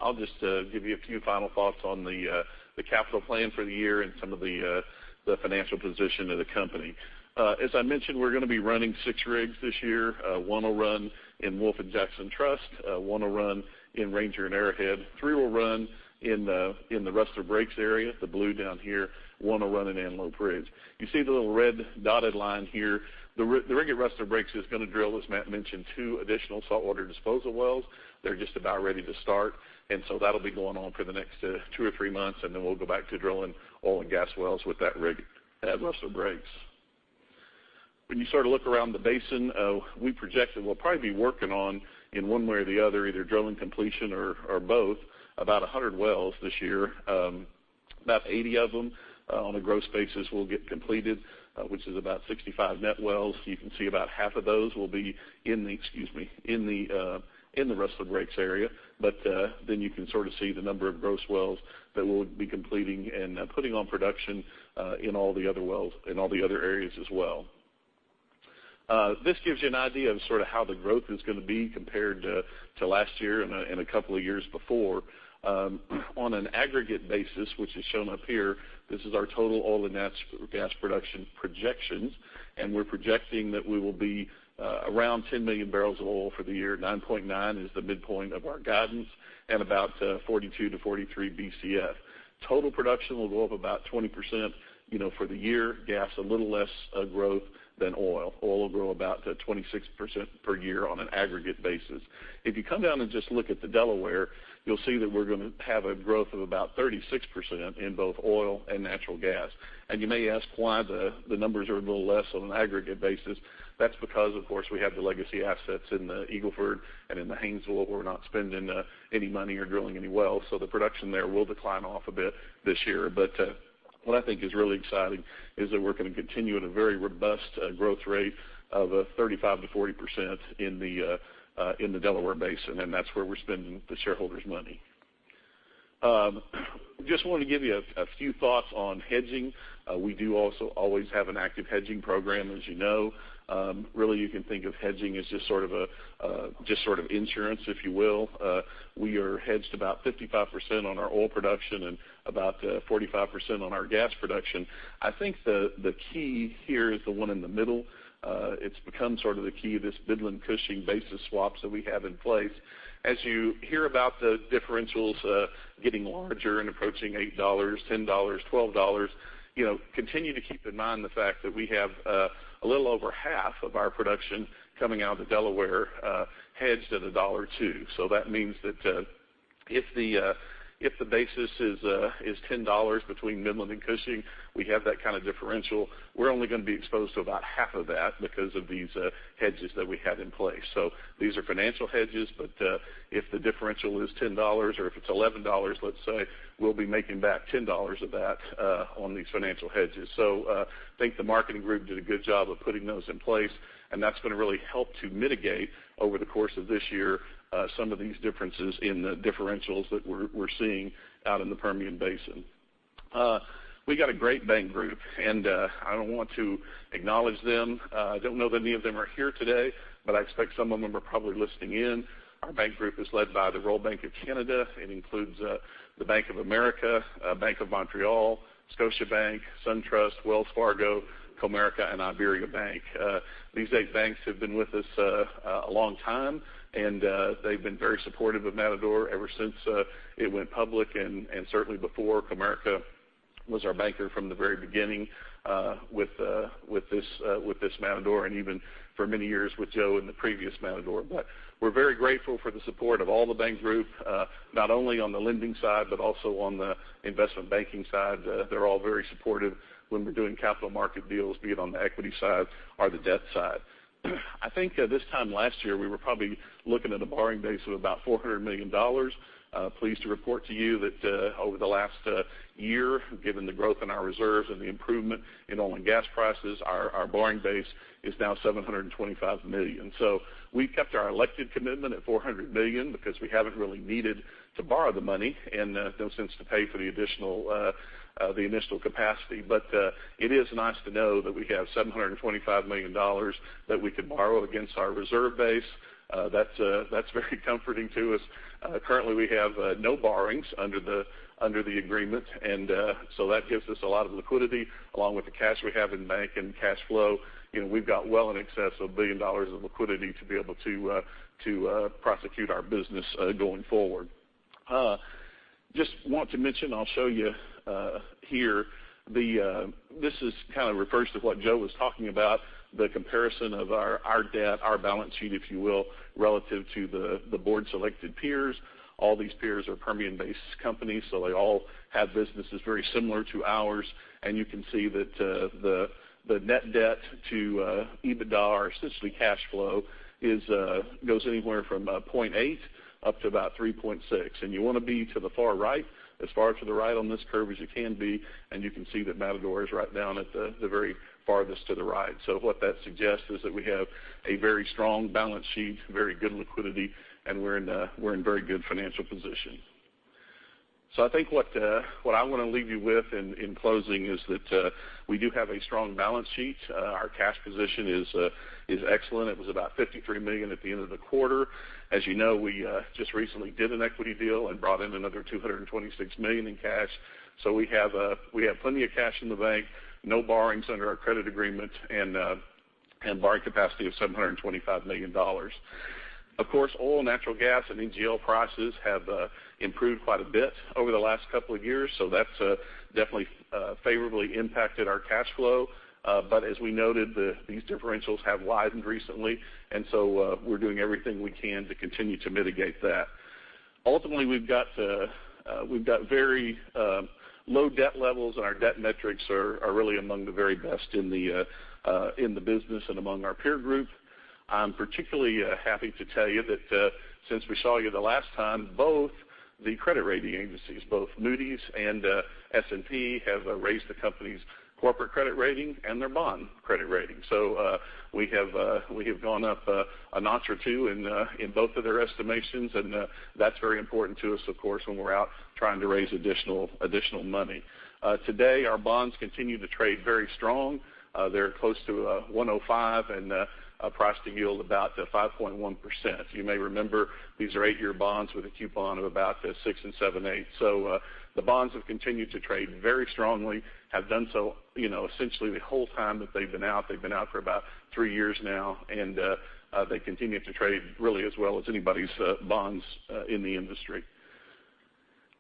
I'll just give you a few final thoughts on the capital plan for the year and some of the financial position of the company. As I mentioned, we're going to be running 6 rigs this year. 1 will run in Wolf and Jackson Trust, 1 will run in Ranger and Arrowhead, 3 will run in the Rustler Brakes area, the blue down here, 1 will run in Antelope Ridge. You see the little red dotted line here. The rig at Rustler Brakes is going to drill, as Matt mentioned, 2 additional saltwater disposal wells. They're just about ready to start. That'll be going on for the next two or three months, then we'll go back to drilling oil and gas wells with that rig at Rustler Brakes. When you look around the basin, we projected we'll probably be working on, in one way or the other, either drilling completion or both, about 100 wells this year. About 80 of them on a gross basis will get completed, which is about 65 net wells. You can see about half of those will be in the Rustler Brakes area. You can sort of see the number of gross wells that we'll be completing and putting on production in all the other areas as well. This gives you an idea of how the growth is going to be compared to last year and a couple of years before. On an aggregate basis, which is shown up here, this is our total oil and gas production projections, and we're projecting that we will be around 10 million barrels of oil for the year, 9.9 is the midpoint of our guidance, and about 42-43 Bcf. Total production will go up about 20% for the year. Gas, a little less growth than oil. Oil will grow about 26% per year on an aggregate basis. If you come down and just look at the Delaware, you'll see that we're going to have a growth of about 36% in both oil and natural gas. You may ask why the numbers are a little less on an aggregate basis. That's because, of course, we have the legacy assets in the Eagle Ford and in the Haynesville. We're not spending any money or drilling any wells. The production there will decline off a bit this year. What I think is really exciting is that we're going to continue at a very robust growth rate of 35%-40% in the Delaware basin, and that's where we're spending the shareholders' money. Just wanted to give you a few thoughts on hedging. We do always have an active hedging program, as you know. Really, you can think of hedging as just sort of insurance, if you will. We are hedged about 55% on our oil production and about 45% on our gas production. I think the key here is the one in the middle. It's become sort of the key, this Midland-Cushing basis swap that we have in place. As you hear about the differentials getting larger and approaching $8, $10, $12, continue to keep in mind the fact that we have a little over half of our production coming out of the Delaware hedged at $1.02. That means that if the basis is $10 between Midland and Cushing, we have that kind of differential. We're only going to be exposed to about half of that because of these hedges that we have in place. These are financial hedges, but if the differential is $10 or if it's $11, let's say, we'll be making back $10 of that on these financial hedges. I think the marketing group did a good job of putting those in place, and that's going to really help to mitigate, over the course of this year, some of these differences in the differentials that we're seeing out in the Permian Basin. We got a great bank group, and I want to acknowledge them. I don't know that any of them are here today, but I expect some of them are probably listening in. Our bank group is led by the Royal Bank of Canada. It includes the Bank of America, Bank of Montreal, Scotiabank, SunTrust, Wells Fargo, Comerica, and IBERIABANK. These eight banks have been with us a long time, and they've been very supportive of Matador ever since it went public and certainly before. Comerica was our banker from the very beginning with this Matador and even for many years with Joe and the previous Matador. We're very grateful for the support of all the bank group, not only on the lending side, but also on the investment banking side. They're all very supportive when we're doing capital market deals, be it on the equity side or the debt side. I think this time last year, we were probably looking at a borrowing base of about $400 million. Pleased to report to you that over the last year, given the growth in our reserves and the improvement in oil and gas prices, our borrowing base is now $725 million. We've kept our elected commitment at $400 million because we haven't really needed to borrow the money, and no sense to pay for the initial capacity. It is nice to know that we have $725 million that we could borrow against our reserve base. That's very comforting to us. Currently, we have no borrowings under the agreement, that gives us a lot of liquidity, along with the cash we have in bank and cash flow. We've got well in excess of $1 billion of liquidity to be able to prosecute our business going forward. Just want to mention, I'll show you here. This kind of refers to what Joe was talking about, the comparison of our debt, our balance sheet, if you will, relative to the board selected peers. All these peers are Permian-based companies, they all have businesses very similar to ours. You can see that the net debt to EBITDA or essentially cash flow goes anywhere from 0.8 up to about 3.6. You want to be to the far right, as far to the right on this curve as you can be, you can see that Matador is right down at the very farthest to the right. What that suggests is that we have a very strong balance sheet, very good liquidity, and we're in very good financial position. I think what I want to leave you with in closing is that we do have a strong balance sheet. Our cash position is excellent. It was about $53 million at the end of the quarter. As you know, we just recently did an equity deal and brought in another $226 million in cash. We have plenty of cash in the bank, no borrowings under our credit agreement, and borrowing capacity of $725 million. Of course, oil, natural gas, and NGL prices have improved quite a bit over the last couple of years, that's definitely favorably impacted our cash flow. As we noted, these differentials have widened recently, we're doing everything we can to continue to mitigate that. Ultimately, we've got very low debt levels, our debt metrics are really among the very best in the business and among our peer group. I'm particularly happy to tell you that since we saw you the last time, both the credit rating agencies, both Moody's and S&P, have raised the company's corporate credit rating and their bond credit rating. We have gone up a notch or two in both of their estimations, that's very important to us, of course, when we're out trying to raise additional money. Today, our bonds continue to trade very strong. They're close to 105 and priced to yield about 5.1%. You may remember, these are eight-year bonds with a coupon of about six and seven-eighths. The bonds have continued to trade very strongly, have done so essentially the whole time that they've been out. They've been out for about three years now, and they continue to trade really as well as anybody's bonds in the industry.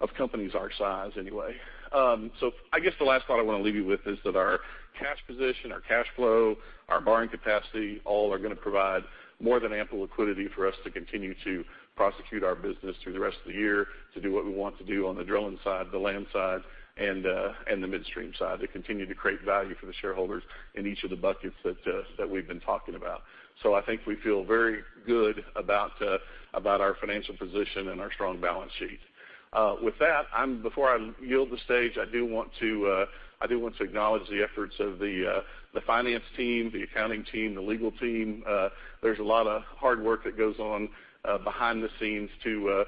Of companies our size, anyway. I guess the last thought I want to leave you with is that our cash position, our cash flow, our borrowing capacity, all are going to provide more than ample liquidity for us to continue to prosecute our business through the rest of the year to do what we want to do on the drilling side, the land side, and the midstream side, to continue to create value for the shareholders in each of the buckets that we've been talking about. I think we feel very good about our financial position and our strong balance sheet. With that, before I yield the stage, I do want to acknowledge the efforts of the finance team, the accounting team, the legal team. There's a lot of hard work that goes on behind the scenes to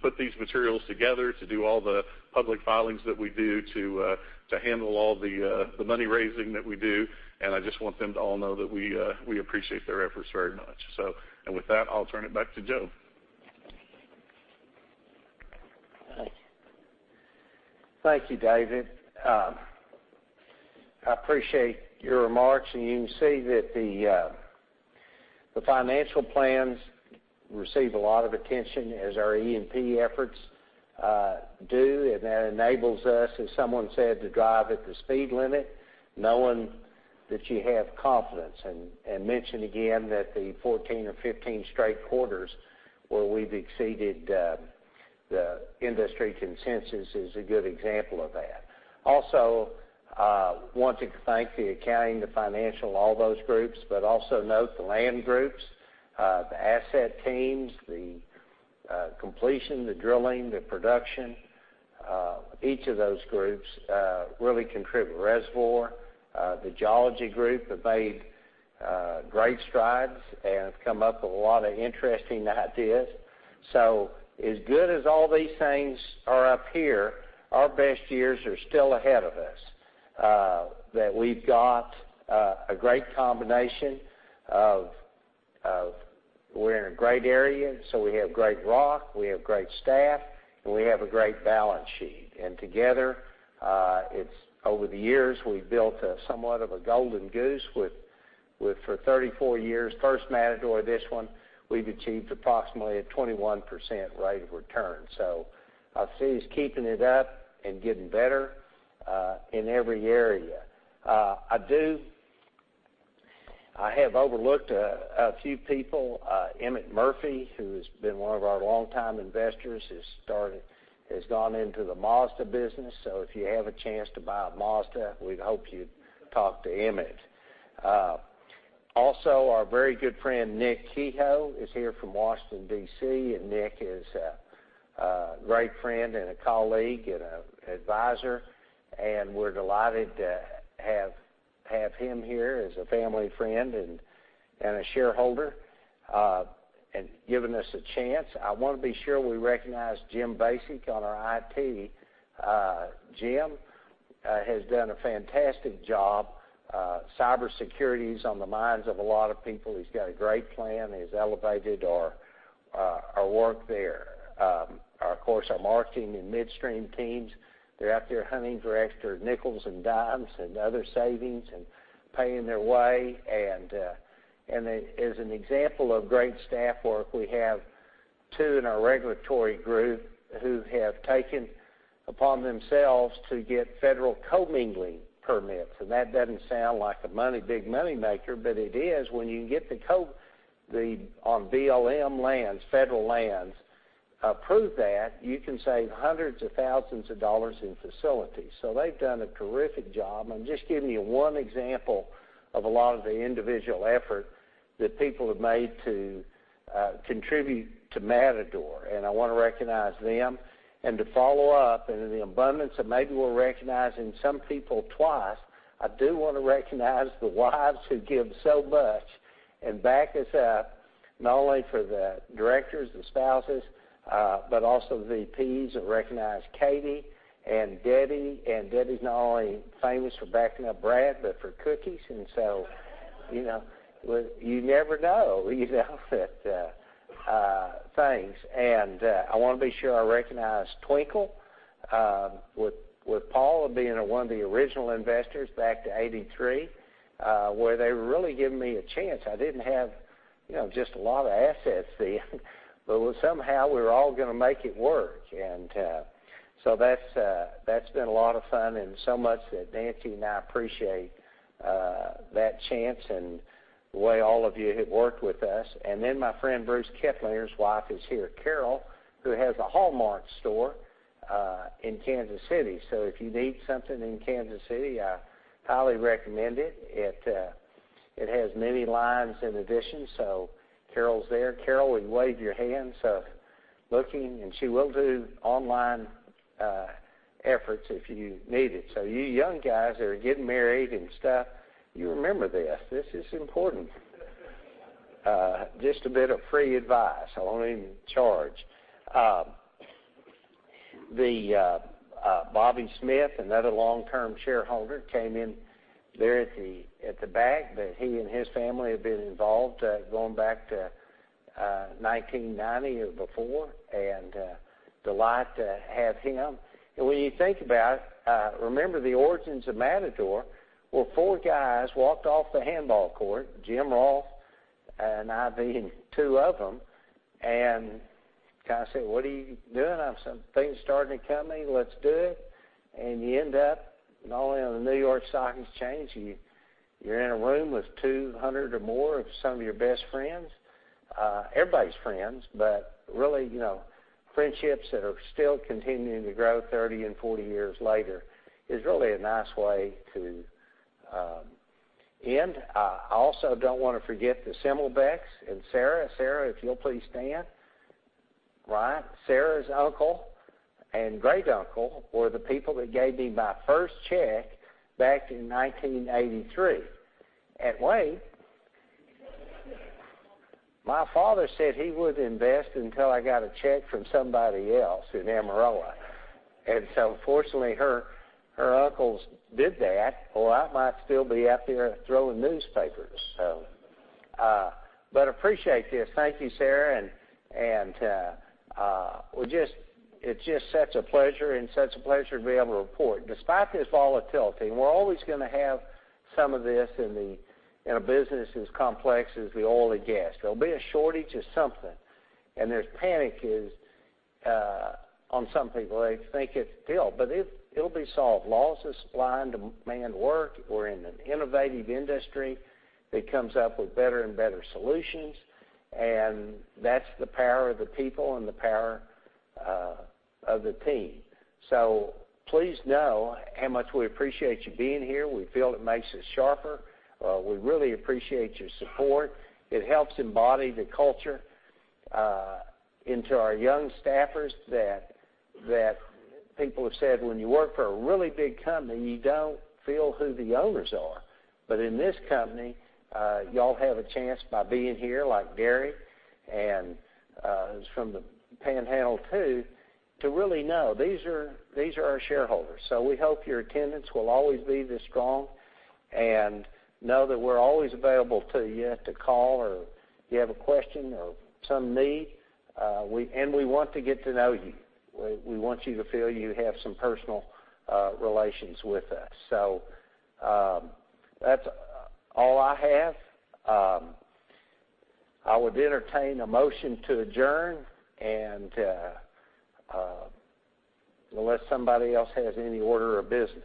put these materials together, to do all the public filings that we do to handle all the money raising that we do, and I just want them to all know that we appreciate their efforts very much. With that, I'll turn it back to Joe. Thank you, David. I appreciate your remarks, and you can see that the financial plans receive a lot of attention as our E&P efforts do, and that enables us, as someone said, to drive at the speed limit knowing that you have confidence. Mention again that the 14 or 15 straight quarters where we've exceeded the industry consensus is a good example of that. Also, want to thank the accounting, the financial, all those groups, but also note the land groups, the asset teams, the completion, the drilling, the production, each of those groups really contribute. Reservoir, the geology group have made great strides and have come up with a lot of interesting ideas. As good as all these things are up here, our best years are still ahead of us, that we've got a great combination of we're in a great area, so we have great rock, we have great staff, and we have a great balance sheet. And together, over the years, we've built somewhat of a golden goose with for 34 years, first Matador, this one, we've achieved approximately a 21% rate of return. I see us keeping it up and getting better in every area. I have overlooked a few people. Emmett Murphy, who has been one of our longtime investors, has gone into the Mazda business. If you have a chance to buy a Mazda, we'd hope you'd talk to Emmett. Our very good friend Nick Kehoe is here from Washington, D.C., Nick is a great friend and a colleague and advisor, and we're delighted to have him here as a family friend and a shareholder, and giving us a chance. I want to be sure we recognize Jim Vacek on our IT. Jim has done a fantastic job. Cybersecurity is on the minds of a lot of people. He's got a great plan. He's elevated our work there. Of course, our marketing and midstream teams, they're out there hunting for extra nickels and dimes and other savings and paying their way. As an example of great staff work, we have two in our regulatory group who have taken upon themselves to get federal commingling permits. That doesn't sound like a big money maker, but it is when you can get on BLM lands, federal lands, approved that, you can save hundreds of thousands of dollars in facilities. They've done a terrific job. I'm just giving you one example of a lot of the individual effort that people have made to contribute to Matador, and I want to recognize them. To follow up into the abundance, and maybe we're recognizing some people twice. I do want to recognize the wives who give so much and back us up, not only for the directors, the spouses, but also the VPs, and recognize Katie and Debbie. Debbie's not only famous for backing up Brad, but for cookies. You never know things. I want to be sure I recognize Twinkle, with Paula being one of the original investors back to 1983, where they were really giving me a chance. I didn't have just a lot of assets then, but somehow we were all going to make it work. That's been a lot of fun and so much that Nancy and I appreciate that chance and the way all of you have worked with us. My friend Bruce Keplinger's wife is here, Carol, who has a Hallmark store in Kansas City. If you need something in Kansas City, I highly recommend it. It has many lines and additions. Carol's there. Carol, we wave your hands, so looking, and she will do online efforts if you need it. You young guys that are getting married and stuff, you remember this. This is important. Just a bit of free advice. I won't even charge. Bobby Smith, another long-term shareholder, came in there at the back, but he and his family have been involved going back to 1990 or before, and a delight to have him. When you think about it, remember the origins of Matador, where four guys walked off the handball court, Jim Rolfe and I being two of them, and kind of said, "What are you doing?" I said, "Things are starting to come. Let's do it." You end up not only on the New York Stock Exchange and you're in a room with 200 or more of some of your best friends. Everybody's friends, but really friendships that are still continuing to grow 30 and 40 years later is really a nice way to end. I also don't want to forget the Semoleks and Sarah. Sarah, if you'll please stand. Right. Sarah's uncle and great uncle were the people that gave me my first check back in 1983. Wave. My father said he wouldn't invest until I got a check from somebody else in Amarillo. Fortunately, her uncles did that, or I might still be out there throwing newspapers. Appreciate this. Thank you, Sarah. It's just such a pleasure and such a pleasure to be able to report. Despite this volatility, we're always going to have some of this in a business as complex as the oil and gas. There'll be a shortage of something, and there's panic on some people. They think it's the end. It'll be solved. Laws of supply and demand work. We're in an innovative industry that comes up with better and better solutions. That's the power of the people and the power of the team. Please know how much we appreciate you being here. We feel it makes us sharper. We really appreciate your support. It helps embody the culture into our young staffers that people have said when you work for a really big company, you don't feel who the owners are. In this company, you all have a chance by being here, like Gary, who's from the Panhandle, too, to really know these are our shareholders. We hope your attendance will always be this strong, and know that we're always available to you. If you have to call or you have a question or some need. We want to get to know you. We want you to feel you have some personal relations with us. That's all I have. I would entertain a motion to adjourn unless somebody else has any order of business.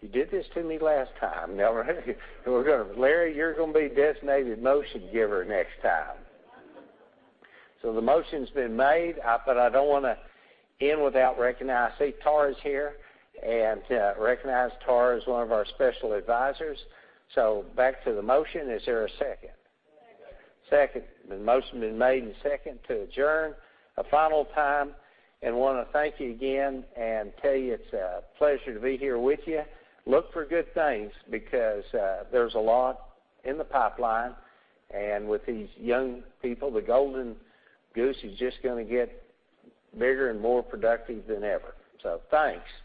You did this to me last time. Larry, you're going to be designated motion giver next time. The motion's been made, but I don't want to end without recognizing. I see Tara's here and recognize Tara as one of our special advisors. Back to the motion. Is there a second? Second. Second. The motion has been made and second to adjourn. A final time. Want to thank you again and tell you it's a pleasure to be here with you. Look for good things because there's a lot in the pipeline. With these young people, the golden goose is just going to get bigger and more productive than ever. Thanks.